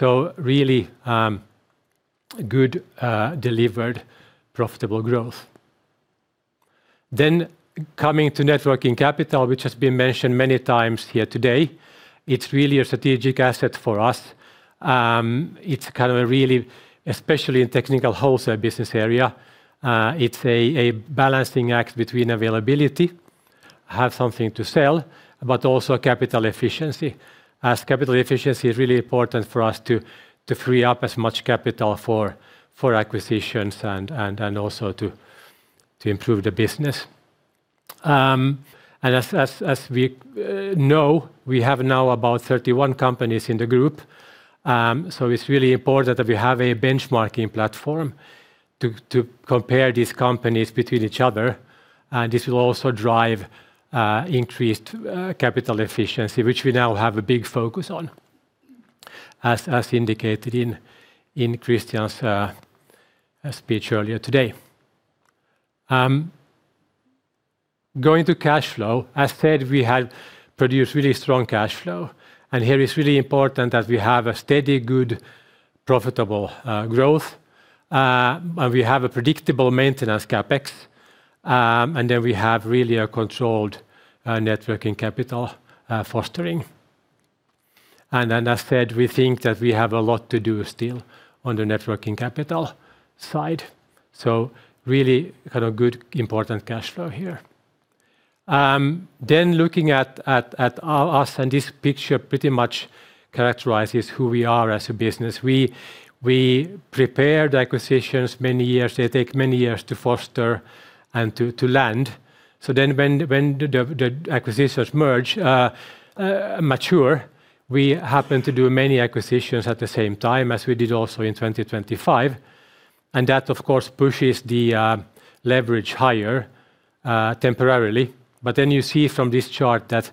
Really good delivered profitable growth. Coming to net working capital, which has been mentioned many times here today, it's really a strategic asset for us. It's kind of a really, especially in Technical Wholesale business area, it's a balancing act between availability, have something to sell, but also capital efficiency. As capital efficiency is really important for us to free up as much capital for acquisitions and also to improve the business. As we know, we have now about 31 companies in the group. It's really important that we have a benchmarking platform to compare these companies between each other, and this will also drive increased capital efficiency, which we now have a big focus on, as indicated in Christian's speech earlier today. Going to cash flow, as said, we have produced really strong cash flow. Here it's really important that we have a steady, good, profitable growth. We have a predictable maintenance CapEx. Then we have really a controlled net working capital fostering. As said, we think that we have a lot to do still on the net working capital side, really kind of good, important cash flow here. Looking at us, this picture pretty much characterizes who we are as a business. We prepare the acquisitions many years. They take many years to foster and to land, when the acquisitions merge, mature, we happen to do many acquisitions at the same time as we did also in 2025, that of course pushes the leverage higher temporarily. You see from this chart that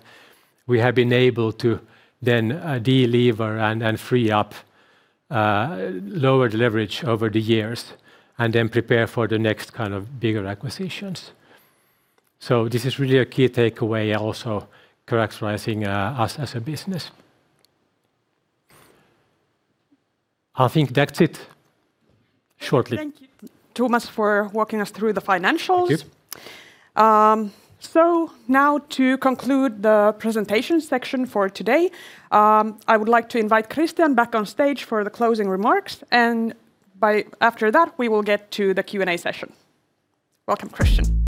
we have been able to then de-lever and free up lowered leverage over the years prepare for the next kind of bigger acquisitions. This is really a key takeaway also characterizing us as a business. I think that's it, shortly. Thank you, Thomas, for walking us through the financials. Thank you. Now to conclude the presentation section for today, I would like to invite Christian back on stage for the closing remarks, and by after that, we will get to the Q&A session. Welcome, Christian.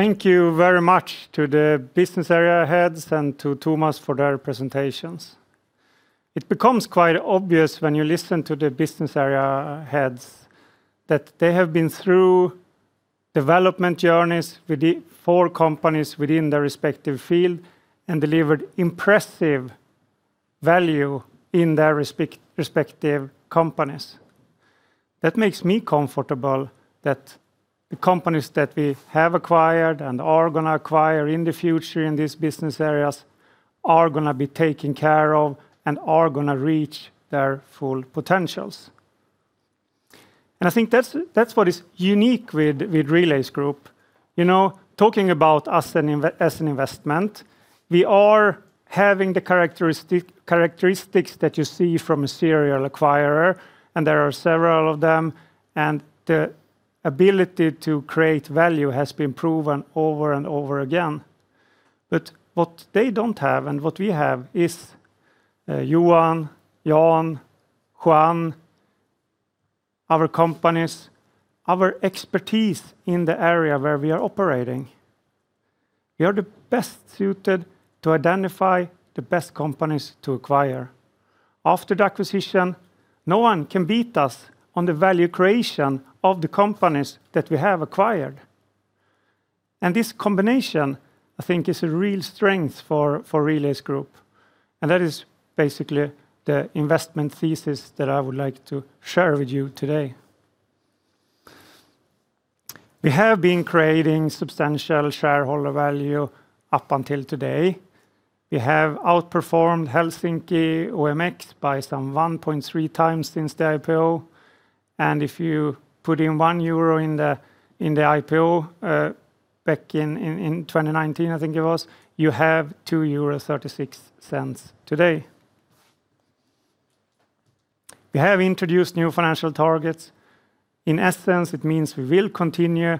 Thank you very much to the business area heads and to Thomas for their presentations. It becomes quite obvious when you listen to the business area heads that they have been through development journeys with the for companies within their respective field and delivered impressive value in their respective companies. That makes me comfortable that the companies that we have acquired and are gonna acquire in the future in these business areas are gonna be taken care of and are gonna reach their full potentials. I think that's what is unique with Relais Group. You know, talking about us as an investment, we are having the characteristics that you see from a serial acquirer, there are several of them, and the ability to create value has been proven over and over again. What they don't have and what we have is Johan, Jan, Juan, our companies, our expertise in the area where we are operating. We are the best suited to identify the best companies to acquire. After the acquisition, no one can beat us on the value creation of the companies that we have acquired. This combination, I think, is a real strength for Relais Group, and that is basically the investment thesis that I would like to share with you today. We have been creating substantial shareholder value up until today. We have outperformed OMX Helsinki 25 by some 1.3x since the IPO, and if you put in 1 euro in the IPO back in 2019, I think it was, you have 2.36 euros today. We have introduced new financial targets. In essence, it means we will continue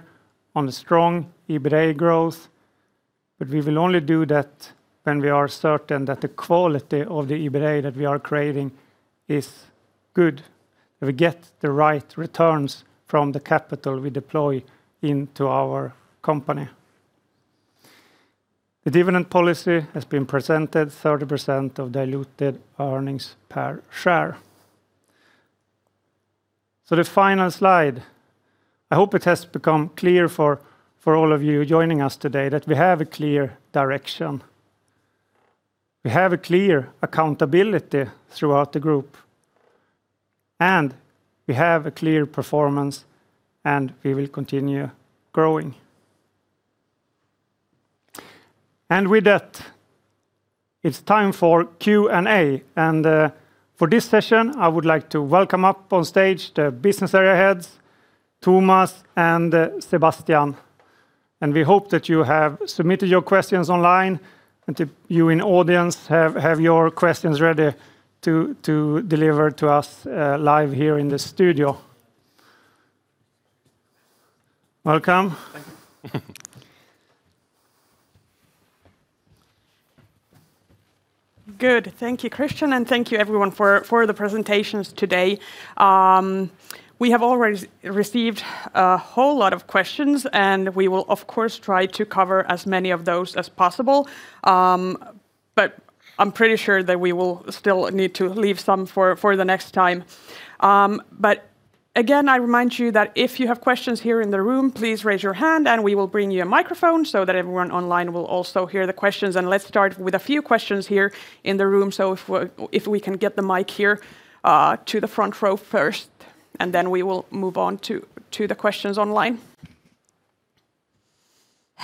on the strong EBITA growth, but we will only do that when we are certain that the quality of the EBITA that we are creating is good, that we get the right returns from the capital we deploy into our company. The dividend policy has been presented 30% of diluted earnings per share. The final slide, I hope it has become clear for all of you joining us today that we have a clear direction. We have a clear accountability throughout the group, and we have a clear performance, and we will continue growing. With that, it's time for Q&A, and for this session, I would like to welcome up on stage the business area heads, Thomas and Sebastian. We hope that you have submitted your questions online and you in audience have your questions ready to deliver to us live here in the studio. Welcome. Thank you. Good. Thank you, Christian, and thank you everyone for the presentations today. We have already received a whole lot of questions, and we will of course try to cover as many of those as possible. I'm pretty sure that we will still need to leave some for the next time. Again, I remind you that if you have questions here in the room, please raise your hand and we will bring you a microphone so that everyone online will also hear the questions. Let's start with a few questions here in the room. If we can get the mic here, to the front row first, and then we will move on to the questions online.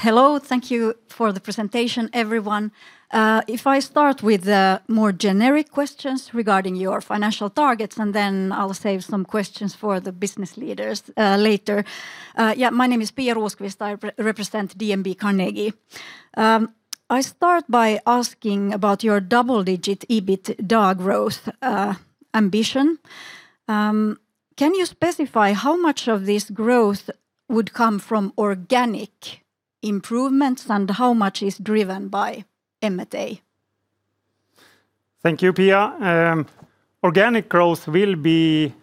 Hello. Thank you for the presentation, everyone. If I start with the more generic questions regarding your financial targets, and then I'll save some questions for the business leaders, later. Yeah, my name is Pia Rosqvist-Heinsalmi. I represent DNB Carnegie. I start by asking about your double-digit EBITDA growth ambition. Can you specify how much of this growth would come from organic improvements and how much is driven by M&A? Thank you, Pia. Organic growth will be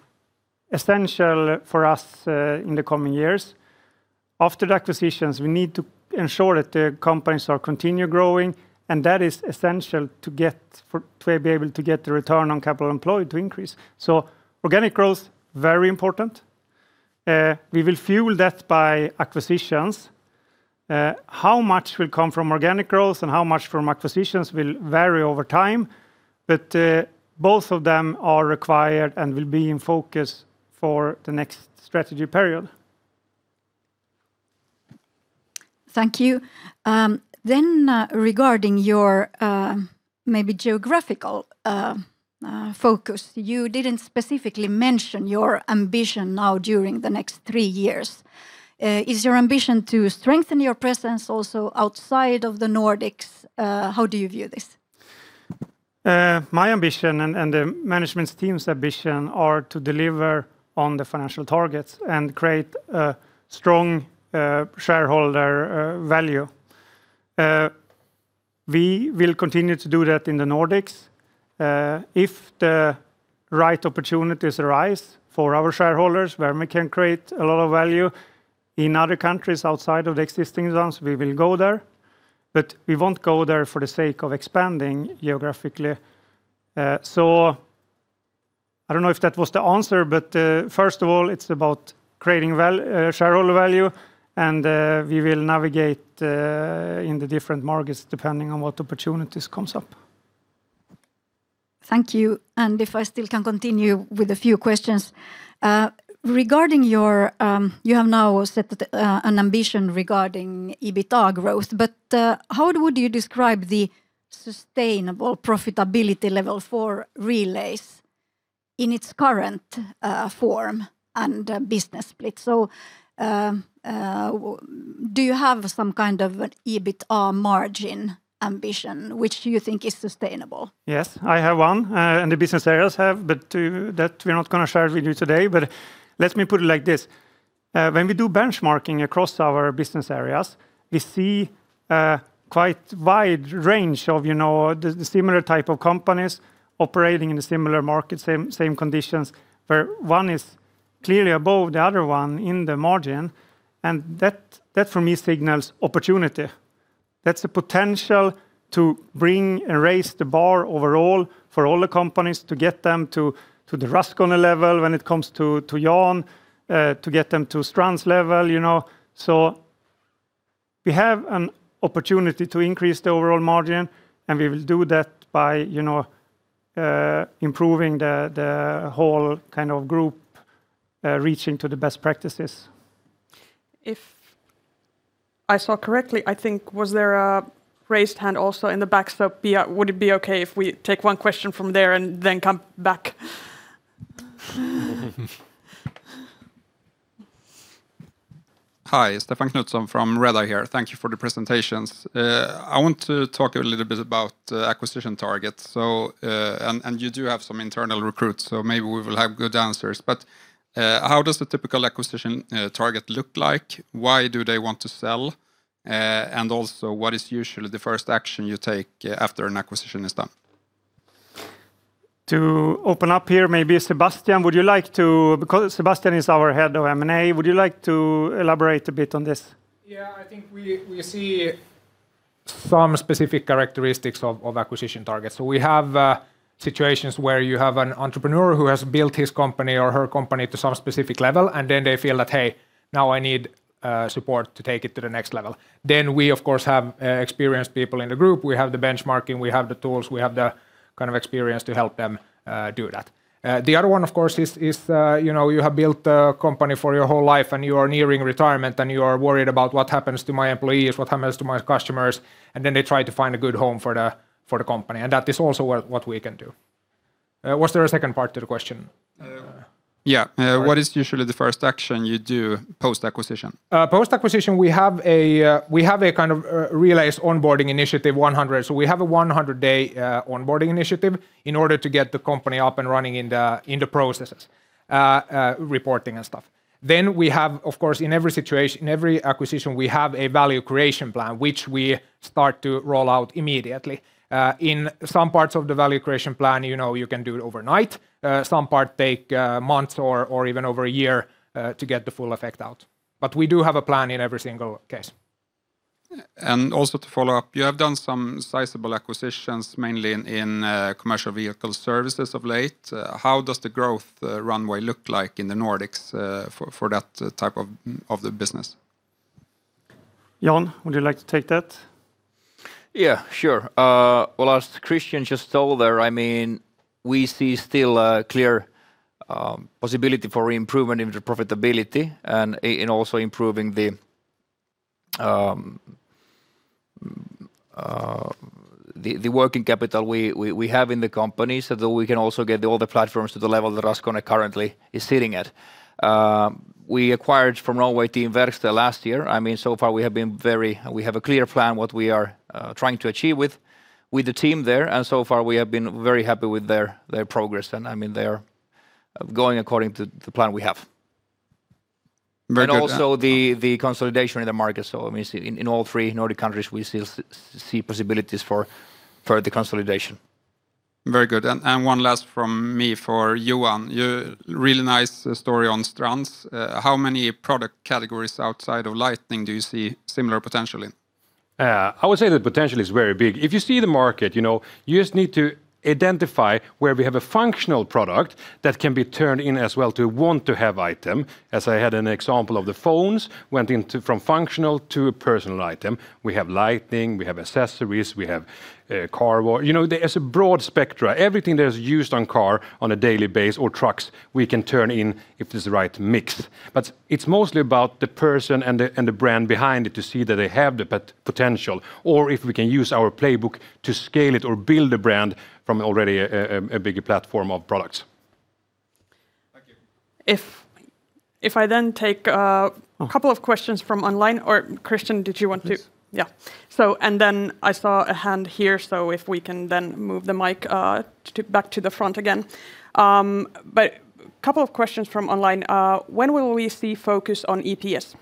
essential for us in the coming years. After the acquisitions, we need to ensure that the companies are continue growing, and that is essential to be able to get the return on capital employed to increase. Organic growth, very important. We will fuel that by acquisitions. How much will come from organic growth and how much from acquisitions will vary over time, but both of them are required and will be in focus for the next strategy period. Thank you. Regarding your, maybe geographical, focus, you didn't specifically mention your ambition now during the next three years. Is your ambition to strengthen your presence also outside of the Nordics? How do you view this? My ambition and the management team's ambition are to deliver on the financial targets and create a strong shareholder value. We will continue to do that in the Nordics. If the right opportunities arise for our shareholders where we can create a lot of value in other countries outside of the existing ones, we will go there. We won't go there for the sake of expanding geographically. I don't know if that was the answer, but first of all, it's about creating shareholder value, and we will navigate in the different markets depending on what opportunities comes up. Thank you. If I still can continue with a few questions. You have now set an ambition regarding EBITA growth, but how would you describe the sustainable profitability level for Relais in its current form and business split? Do you have some kind of an EBITA margin ambition which you think is sustainable? Yes, I have one, and the business areas have, that we're not gonna share with you today. Let me put it like this. When we do benchmarking across our business areas, we see quite wide range of, you know, the similar type of companies operating in a similar market, same conditions, where one is clearly above the other one in the margin. That for me signals opportunity. That's the potential to bring and raise the bar overall for all the companies to get them to the Raskone level when it comes to Jan, to get them to Strands level, you know. We have an opportunity to increase the overall margin, and we will do that by, you know, improving the whole kind of group, reaching to the best practices. If I saw correctly, I think was there a raised hand also in the back? Pia, would it be okay if we take one question from there and then come back? Hi. Stefan Knutsson from Redeye here. Thank you for the presentations. I want to talk a little bit about acquisition targets. And you do have some internal recruits, so maybe we will have good answers. How does the typical acquisition target look like? Why do they want to sell? And also, what is usually the first action you take after an acquisition is done? To open up here, maybe Sebastian, would you like to, because Sebastian is our Head of M&A, would you like to elaborate a bit on this? Yeah, I think we see some specific characteristics of acquisition targets. We have situations where you have an entrepreneur who has built his company or her company to some specific level, and then they feel that, hey, now I need support to take it to the next level. We of course have experienced people in the group. We have the benchmarking. We have the tools. We have the kind of experience to help them do that. The other one, of course, is, you know, you have built a company for your whole life and you are nearing retirement and you are worried about what happens to my employees, what happens to my customers, and then they try to find a good home for the company, and that is also work what we can do. Was there a second part to the question? Yeah. What is usually the first action you do post-acquisition? Post-acquisition, we have a kind of Relais onboarding initiative 100. We have a 100-day onboarding initiative in order to get the company up and running in the processes, reporting and stuff. We have, of course, in every situation, every acquisition we have a value creation plan, which we start to roll out immediately. In some parts of the value creation plan, you know, you can do it overnight. Some part take months or even over a year, to get the full effect out. We do have a plan in every single case. Also to follow up, you have done some sizable acquisitions, mainly in Commercial Vehicle Services of late. How does the growth runway look like in the Nordics for that type of the business? Jan, would you like to take that? Yeah, sure. Well, as Christian just told there, I mean, we see still a clear possibility for improvement in the profitability and in also improving the working capital we have in the company so that we can also get all the platforms to the level that Raskone currently is sitting at. We acquired from Norway Team Verksted last year. I mean, so far we have a clear plan what we are trying to achieve with the team there, and so far we have been very happy with their progress. I mean, they are going according to the plan we have. Very good. Also the consolidation in the market, I mean, in all three Nordic countries we still see possibilities for the consolidation. Very good. One last from me for Johan. You, really nice story on Strands. How many product categories outside of lighting do you see similar potentially? I would say the potential is very big. If you see the market, you know, you just need to identify where we have a functional product that can be turned in as well to want to have item. As I had an example of the phones went into from functional to a personal item. We have lighting, we have accessories, we have car, you know, there is a broad spectra. Everything that is used on car on a daily basis, or trucks, we can turn in if it's the right mix. It's mostly about the person and the brand behind it to see that they have the potential, or if we can use our playbook to scale it or build a brand from already a big platform of products. Thank you. If I then take couple of questions from online, or Christian, did you want to- Please. Yeah. I saw a hand here, so if we can move the mic back to the front again. A couple of questions from online. When will we see focus on EPS?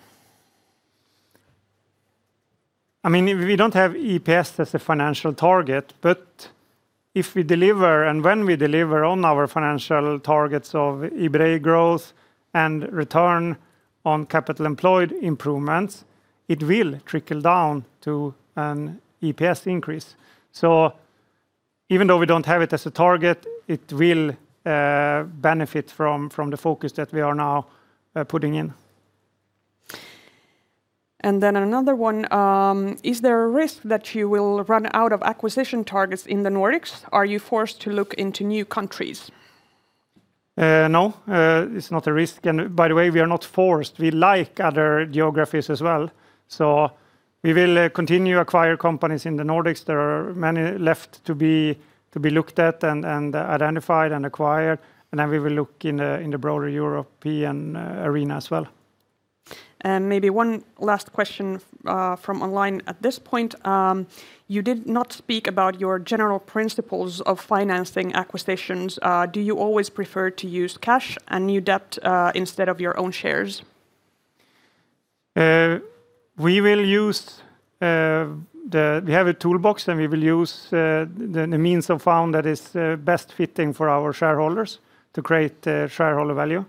I mean, we don't have EPS as a financial target, if we deliver and when we deliver on our financial targets of EBITA growth and return on capital employed improvements, it will trickle down to an EPS increase. Even though we don't have it as a target, it will benefit from the focus that we are now putting in. Another one, is there a risk that you will run out of acquisition targets in the Nordics? Are you forced to look into new countries? No. It's not a risk. By the way, we are not forced. We like other geographies as well. We will continue acquire companies in the Nordics. There are many left to be looked at and identified and acquired. We will look in the broader European arena as well. Maybe one last question from online at this point. You did not speak about your general principles of financing acquisitions. Do you always prefer to use cash and new debt instead of your own shares? We have a toolbox, and we will use the means of fund that is best fitting for our shareholders to create shareholder value.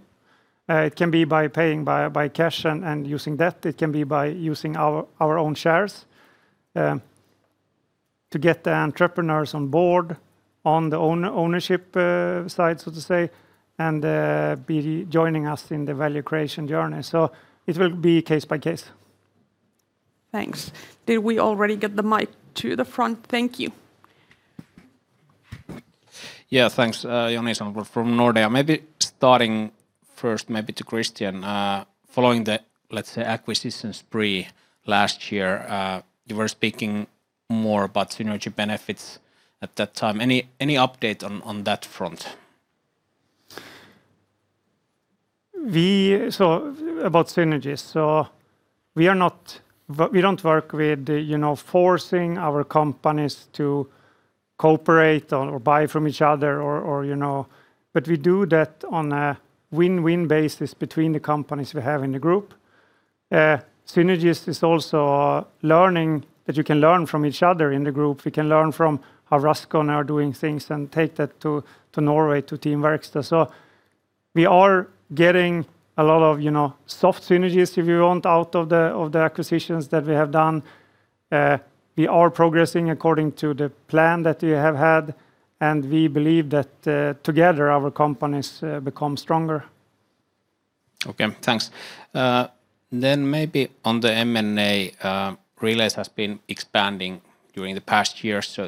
It can be by paying by cash and using debt. It can be by using our own shares to get the entrepreneurs on board on the ownership side, so to say, and be joining us in the value creation journey. It will be case by case. Thanks. Did we already get the mic to the front? Thank you. Yeah, thanks, Joni Sandvall from Nordea. Maybe starting first maybe to Christian, following the, let's say, acquisition spree last year, you were speaking more about synergy benefits at that time. Any update on that front? About synergies, we don't work with, you know, forcing our companies to cooperate or buy from each other or, you know, but we do that on a win-win basis between the companies we have in the group. Synergies is also learning, that you can learn from each other in the group. We can learn from how Raskone are doing things and take that to Norway, to Team Verksted. We are getting a lot of, you know, soft synergies if you want out of the acquisitions that we have done. We are progressing according to the plan that we have had, and we believe that together our companies become stronger. Okay, thanks. Maybe on the M&A, Relais has been expanding during the past years.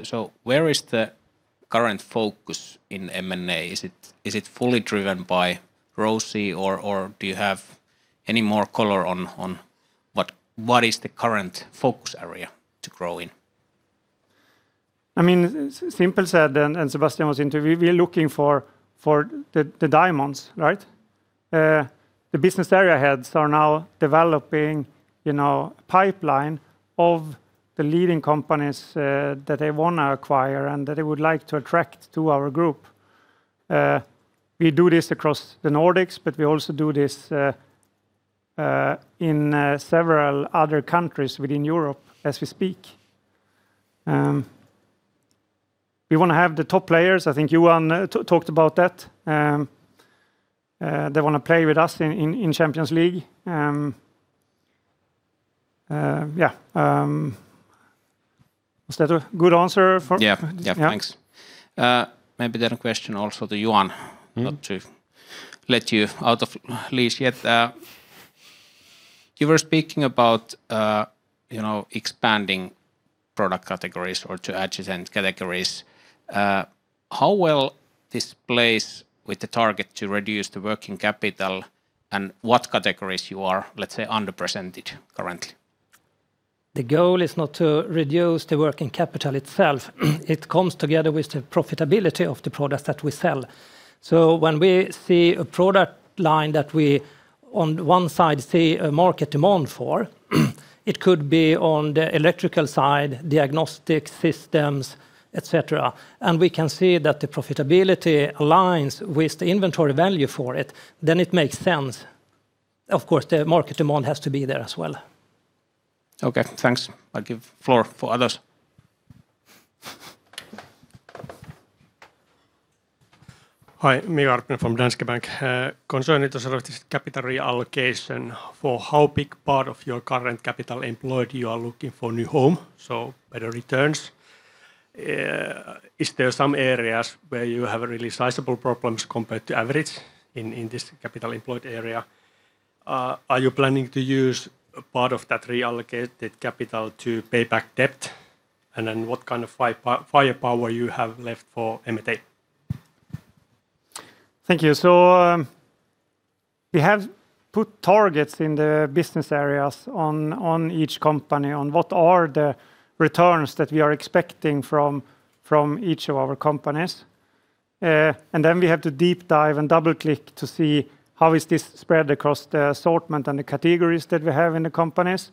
Where is the current focus in M&A? Is it fully driven by ROCE or do you have any more color on what is the current focus area to grow in? I mean, simple said, and Sebastian was interview, we're looking for the diamonds, right? The business area heads are now developing, you know, pipeline of the leading companies, that they wanna acquire and that they would like to attract to our group. We do this across the Nordics, we also do this in several other countries within Europe as we speak. We wanna have the top players. I think Johan talked about that. They wanna play with us in Champions League. Yeah. Was that a good answer for- Yeah. Yeah. Yeah, thanks. Maybe then a question also to Johan. Not to let you out of lease yet. You were speaking about, you know, expanding product categories or to adjacent categories. How will this place with the target to reduce the working capital? What categories you are, let's say, under presented currently? The goal is not to reduce the working capital itself. It comes together with the profitability of the products that we sell. When we see a product line that we on one side see a market demand for, it could be on the electrical side, diagnostic systems, et cetera, and we can see that the profitability aligns with the inventory value for it, then it makes sense. Of course, the market demand has to be there as well. Okay, thanks. I give floor for others. Hi. Mika Karppinen from Danske Bank. Concerning the service capital reallocation, for how big part of your current capital employed you are looking for new home, so better returns? Is there some areas where you have really sizable problems compared to average in this capital employed area? Are you planning to use a part of that reallocated capital to pay back debt? What kind of firepower you have left for M&A? Thank you. We have put targets in the business areas on each company on what are the returns that we are expecting from each of our companies. We have to deep dive and double-click to see how is this spread across the assortment and the categories that we have in the companies.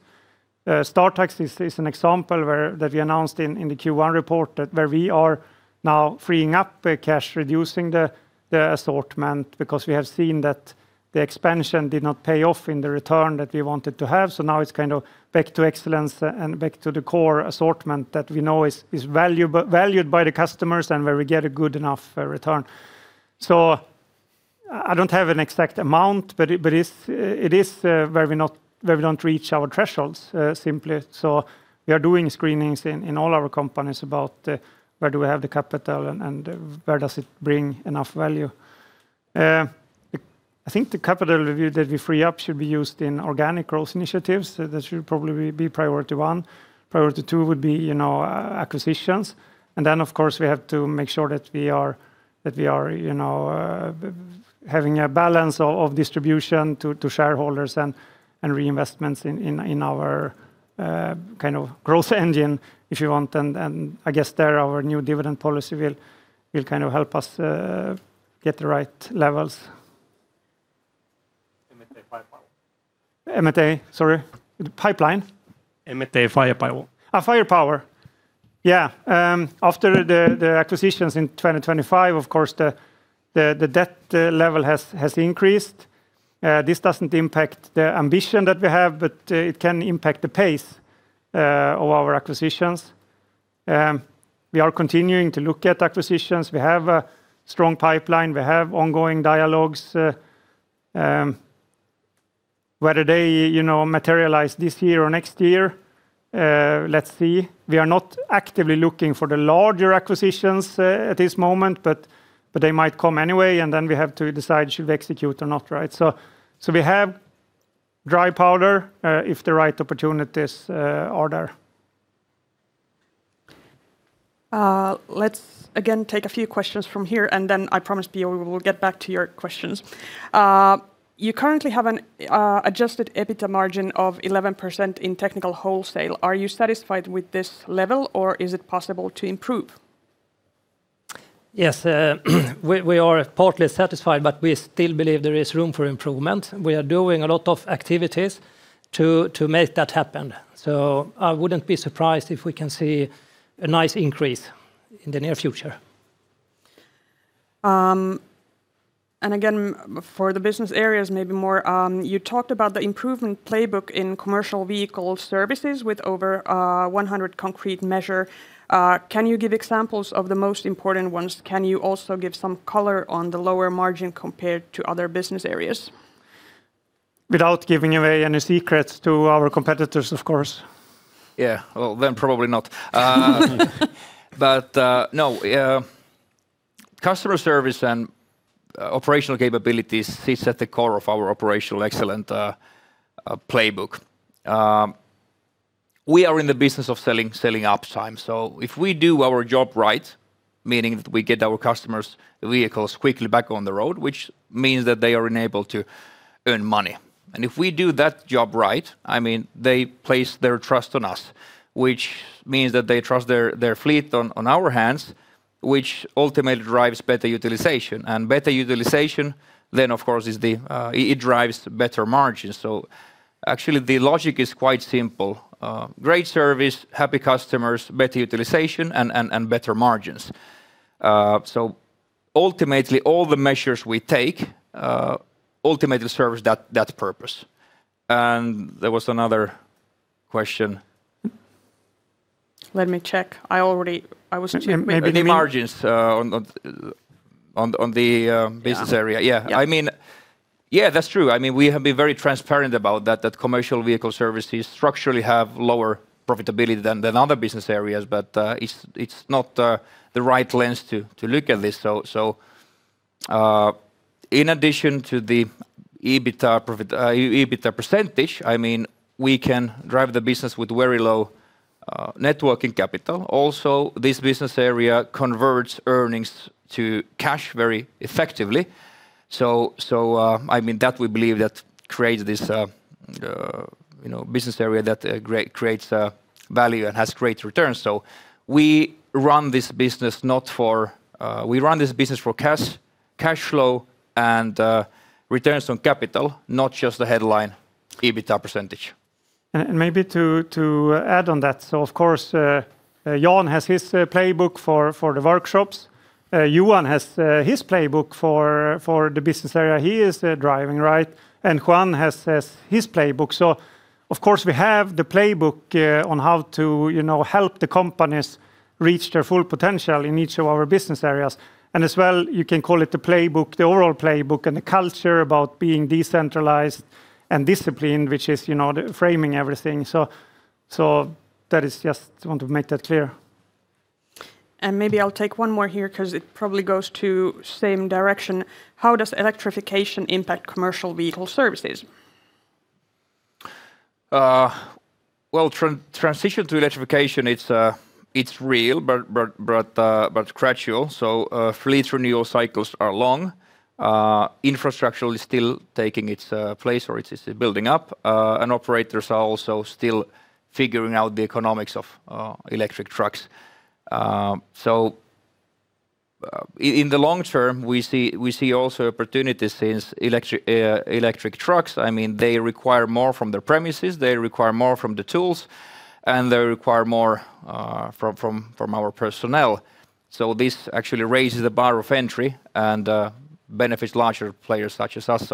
Startax is an example where that we announced in the Q1 report that where we are now freeing up the cash, reducing the assortment because we have seen that the expansion did not pay off in the return that we wanted to have. Now it's kind of back to excellence and back to the core assortment that we know is valued by the customers and where we get a good enough return. I don't have an exact amount, but it's, it is, where we don't reach our thresholds, simply. We are doing screenings in all our companies about, where do we have the capital and where does it bring enough value. It, I think the capital review that we free up should be used in organic growth initiatives. That should probably be priority one. Priority two would be, you know, acquisitions. Then, of course, we have to make sure that we are, you know, having a balance of distribution to shareholders and reinvestments in our kind of growth engine, if you want. I guess there our new dividend policy will kind of help us, get the right levels. M&A firepower. M&A, sorry. Pipeline? M&A firepower. Firepower. After the acquisitions in 2025, of course, the debt level has increased. This doesn't impact the ambition that we have, but it can impact the pace of our acquisitions. We are continuing to look at acquisitions. We have a strong pipeline. We have ongoing dialogues. Whether they, you know, materialize this year or next year, let's see. We are not actively looking for the larger acquisitions at this moment, but they might come anyway, and then we have to decide should we execute or not, right? We have dry powder if the right opportunities are there. Let's again take a few questions from here. I promise you we will get back to your questions. You currently have an adjusted EBITA margin of 11% in Technical Wholesale. Are you satisfied with this level or is it possible to improve? Yes. We are partly satisfied. We still believe there is room for improvement. We are doing a lot of activities to make that happen. I wouldn't be surprised if we can see a nice increase in the near future. Again, for the business areas maybe more, you talked about the improvement playbook in Commercial Vehicle Services with over 100 concrete measure. Can you give examples of the most important ones? Can you also give some color on the lower margin compared to other business areas? Without giving away any secrets to our competitors, of course. Yeah. Well, then probably not. But no. Customer service and operational capabilities sits at the core of our operational excellence playbook. We are in the business of selling uptime. If we do our job right, meaning that we get our customers' vehicles quickly back on the road, which means that they are enabled to earn money. If we do that job right, I mean, they place their trust on us, which means that they trust their fleet on our hands, which ultimately drives better utilization. Better utilization then, of course, it drives better margins. Actually the logic is quite simple. Great service, happy customers, better utilization, and better margins. Ultimately all the measures we take, ultimately service that purpose. There was another question. Let me check. I was too quick. Maybe the margins on the business area. Yeah. That's true. We have been very transparent about that Commercial Vehicle Services structurally have lower profitability than other business areas, but it's not the right lens to look at this. In addition to the EBITA percentage, we can drive the business with very low net working capital. Also, this business area converts earnings to cash very effectively. We believe that creates this, you know, business area that creates value and has great returns. We run this business not for, we run this business for cash flow, and returns on capital, not just the headline EBITA percentage. Maybe to add on that, of course, Jan has his playbook for the workshops. Johan has his playbook for the business area he is driving, right? Juan has his playbook. Of course, we have the playbook on how to, you know, help the companies reach their full potential in each of our business areas. As well, you can call it the playbook, the overall playbook, and the culture about being decentralized and disciplined, which is, you know, the framing everything. That is just I want to make that clear. Maybe I'll take one more here, 'cause it probably goes to same direction. How does electrification impact Commercial Vehicle Services? Transition to electrification, it's real, but gradual. Fleet renewal cycles are long. Infrastructure is still taking its place, or it's building up. Operators are also still figuring out the economics of electric trucks. In the long term, we see also opportunities since electric trucks, I mean, they require more from their premises, they require more from the tools, and they require more from our personnel. This actually raises the bar of entry, and benefits larger players such as us.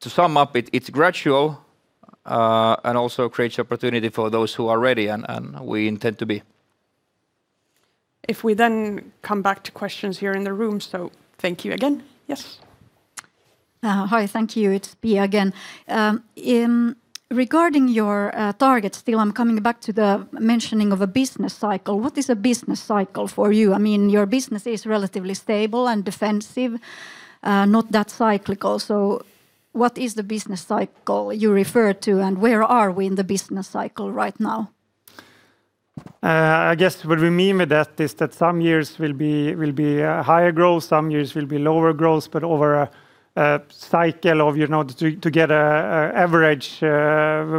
To sum up, it's gradual, and also creates opportunity for those who are ready, and we intend to be. If we then come back to questions here in the room. Thank you again. Yes? Hi. Thank you. It's Pia again. Regarding your targets, still I'm coming back to the mentioning of a business cycle. What is a business cycle for you? I mean, your business is relatively stable and defensive, not that cyclical. What is the business cycle you refer to, and where are we in the business cycle right now? I guess what we mean with that is that some years will be higher growth, some years will be lower growth, but over a cycle of, you know, to get a average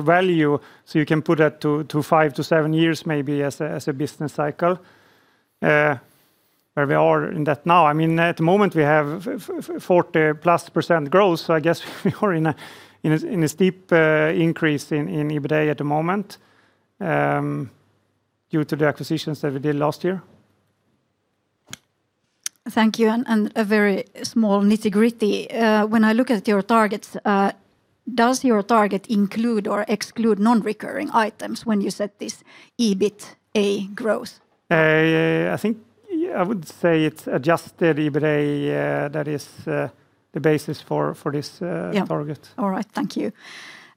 value, so you can put that to five to seven years maybe as a business cycle. Where we are in that now, I mean, at the moment, we have 40%+ growth, so I guess we are in a steep increase in EBITA at the moment, due to the acquisitions that we did last year. Thank you. A very small nitty-gritty. When I look at your targets, does your target include or exclude non-recurring items when you set this EBITA growth? I think I would say it's adjusted EBITA, that is, the basis for this target. All right. Thank you.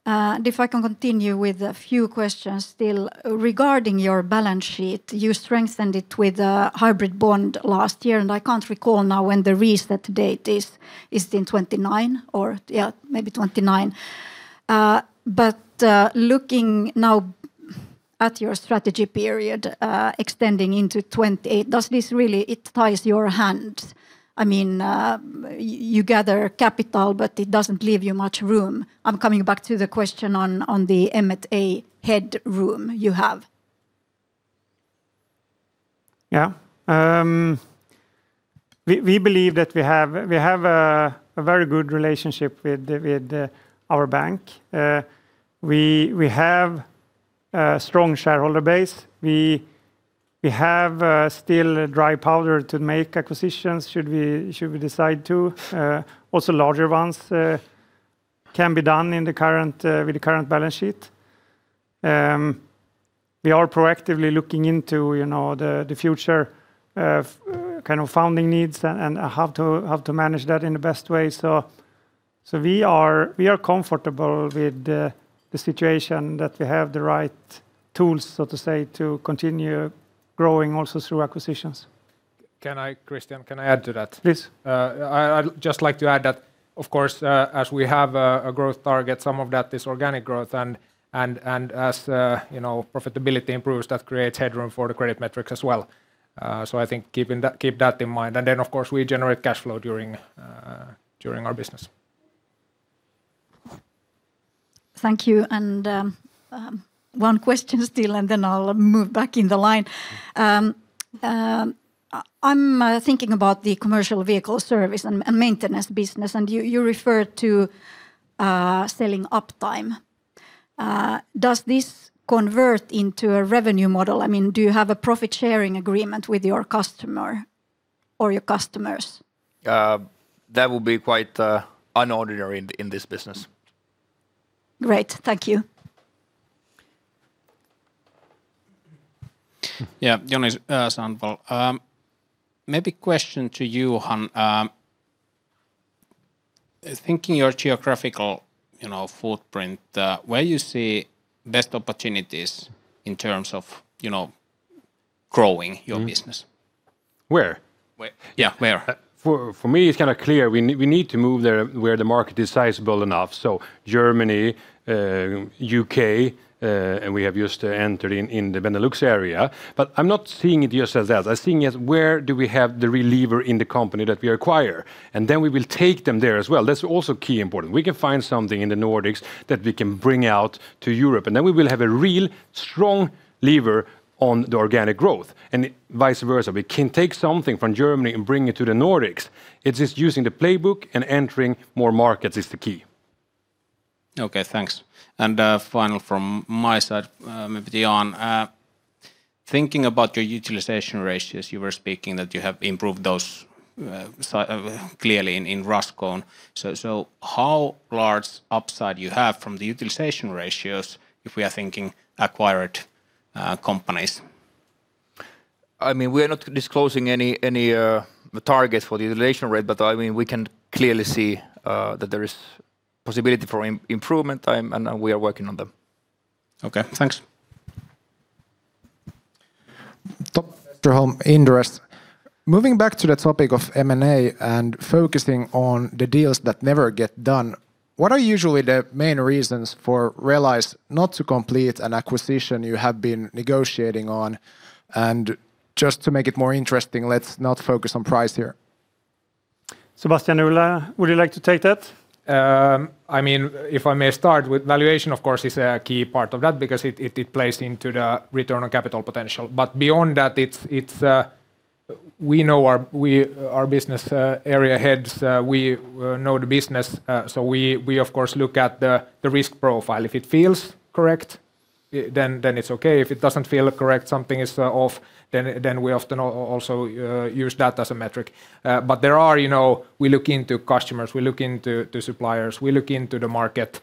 If I can continue with a few questions still, regarding your balance sheet, you strengthened it with a hybrid bond last year, and I can't recall now when the reset date is. Is it in 2029, or maybe 2029? Looking now at your strategy period, extending into 2028, does this really tie your hand? I mean, you gather capital, but it doesn't leave you much room. I'm coming back to the question on the M&A headroom you have. Yeah. We believe that we have a very good relationship with our bank. We have a strong shareholder base. We have still dry powder to make acquisitions should we decide to. Also larger ones can be done in the current with the current balance sheet. We are proactively looking into, you know, the future kind of funding needs and how to manage that in the best way. We are comfortable with the situation that we have the right tools, so to say, to continue growing also through acquisitions. Can I, Christian, can I add to that? Please. I'd just like to add that of course, as we have a growth target, some of that is organic growth, and as, you know, profitability improves, that creates headroom for the credit metrics as well. I think keep that in mind. Of course, we generate cash flow during our business. Thank you and one question still and then I'll move back in the line. I'm thinking about the Commercial Vehicle Services and maintenance business, and you referred to selling uptime. Does this convert into a revenue model? I mean, do you have a profit-sharing agreement with your customer or your customers? That would be quite unordinary in this business. Great. Thank you. Yeah, Joni Sandvall, maybe question to Johan. Thinking your geographical, you know, footprint, where you see best opportunities in terms of, you know, growing your business? Where? Yeah, where. For me it's kind of clear. We need to move there, where the market is sizable enough, so Germany, U.K., and we have just entered in the Benelux area. I'm not seeing it just as that. I'm seeing it as where do we have the real lever in the company that we acquire, and then we will take them there as well. That's also key important. We can find something in the Nordics that we can bring out to Europe, and then we will have a real strong lever on the organic growth and vice versa. We can take something from Germany and bring it to the Nordics. It's just using the playbook and entering more markets is the key. Okay, thanks. Final from my side, maybe to you, Jan. Thinking about your utilization ratios, you were speaking that you have improved those clearly in Raskone. How large upside you have from the utilization ratios if we are thinking acquired companies? I mean, we're not disclosing any targets for the utilization rate, but, I mean, we can clearly see that there is possibility for improvement, and we are working on them. Okay, thanks. Tom Westerholm, Inderes. Moving back to the topic of M&A and focusing on the deals that never get done, what are usually the main reasons for Relais not to complete an acquisition you have been negotiating on? Just to make it more interesting, let's not focus on price here. Sebastian, would you like to take that? I mean, if I may start with valuation, of course, is a key part of that because it plays into the return on capital potential. Beyond that, it's we know our business area heads, we know the business, so we, of course, look at the risk profile. If it feels correct, then it's okay. If it doesn't feel correct, something is off, then we often also use that as a metric. There are, you know, we look into customers, we look into suppliers, we look into the market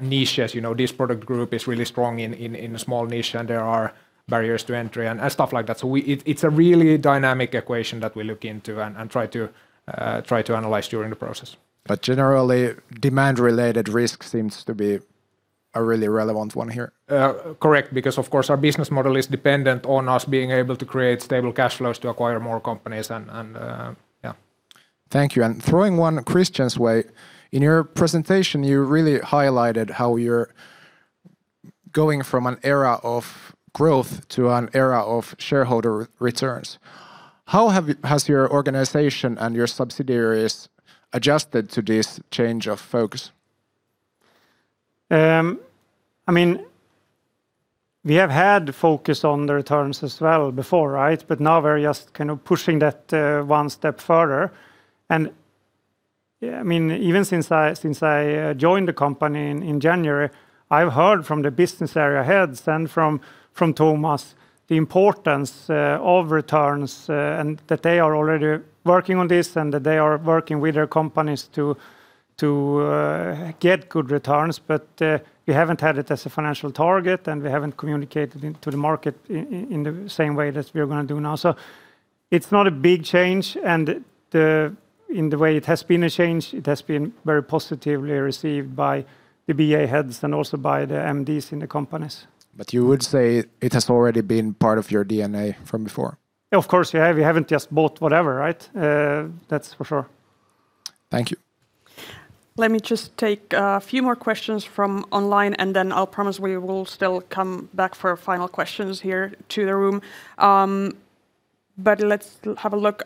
niches, you know. This product group is really strong in a small niche, and there are barriers to entry and stuff like that, so It's a really dynamic equation that we look into and try to analyze during the process. Generally, demand-related risk seems to be a really relevant one here. Correct, because of course our business model is dependent on us being able to create stable cash flows to acquire more companies and yeah. Thank you, and throwing one Christian's way, in your presentation, you really highlighted how you're going from an era of growth to an era of shareholder returns. How has your organization and your subsidiaries adjusted to this change of focus? I mean, we have had focus on the returns as well before. Now we're just kind of pushing that 1 step further. I mean, even since I joined the company in January, I've heard from the business area heads and from Thomas the importance of returns, and that they are already working on this and that they are working with their companies to get good returns. We haven't had it as a financial target, and we haven't communicated into the market in the same way that we are going to do now. It's not a big change, in the way it has been a change, it has been very positively received by the BA heads and also by the MDs in the companies. You would say it has already been part of your DNA from before? Of course. We haven't just bought whatever, right? That's for sure. Thank you. Let me just take a few more questions from online, and then I'll promise we will still come back for final questions here to the room. Let's have a look.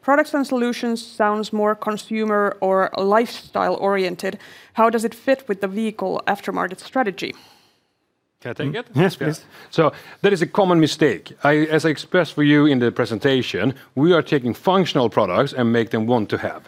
Products and Solutions sounds more consumer or lifestyle-oriented. How does it fit with the vehicle aftermarket strategy? Can I take it? Yes, please. That is a common mistake. I as I expressed for you in the presentation, we are taking functional products and make them want to have.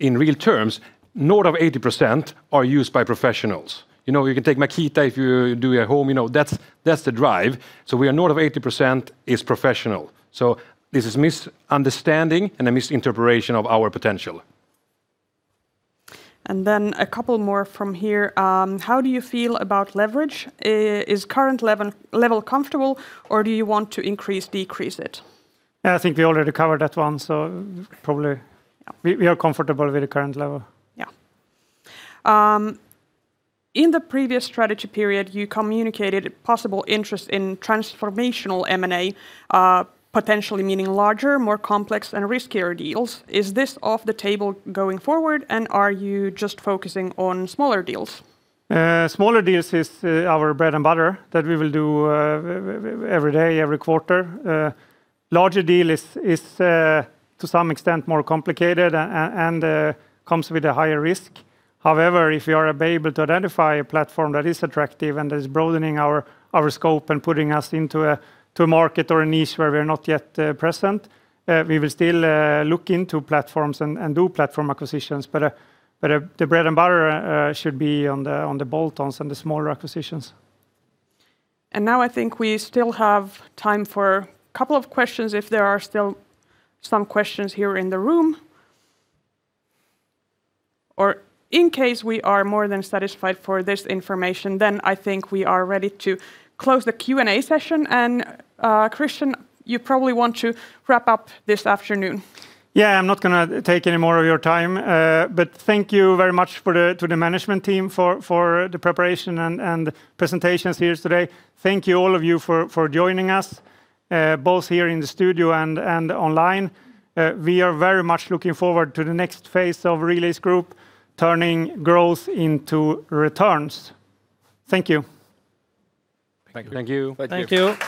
In real terms, north of 80% are used by professionals. You know, you can take Makita if you do your home, you know, that's the drive. We are north of 80% is professional, so this is misunderstanding and a misinterpretation of our potential. Then a couple more from here. How do you feel about leverage? Is current level comfortable, or do you want to increase, decrease it? I think we already covered that one. Yeah We are comfortable with the current level. Yeah. In the previous strategy period, you communicated possible interest in transformational M&A, potentially meaning larger, more complex, and riskier deals. Is this off the table going forward, are you just focusing on smaller deals? Smaller deals is our bread and butter that we will do every day, every quarter. Larger deal is to some extent more complicated and comes with a higher risk. However, if we are able to identify a platform that is attractive and that is broadening our scope and putting us into a market or a niche where we're not yet present, we will still look into platforms and do platform acquisitions. The bread and butter should be on the bolt-ons and the smaller acquisitions. Now I think we still have time for couple of questions if there are still some questions here in the room. In case we are more than satisfied for this information, then I think we are ready to close the Q&A session. Christian, you probably want to wrap up this afternoon. Yeah, I'm not gonna take any more of your time. Thank you very much to the management team for the preparation and presentations here today. Thank you all of you for joining us, both here in the studio and online. We are very much looking forward to the next phase of Relais Group, turning growth into returns. Thank you. Thank you. Thank you. Thank you. Thank you. Thank you.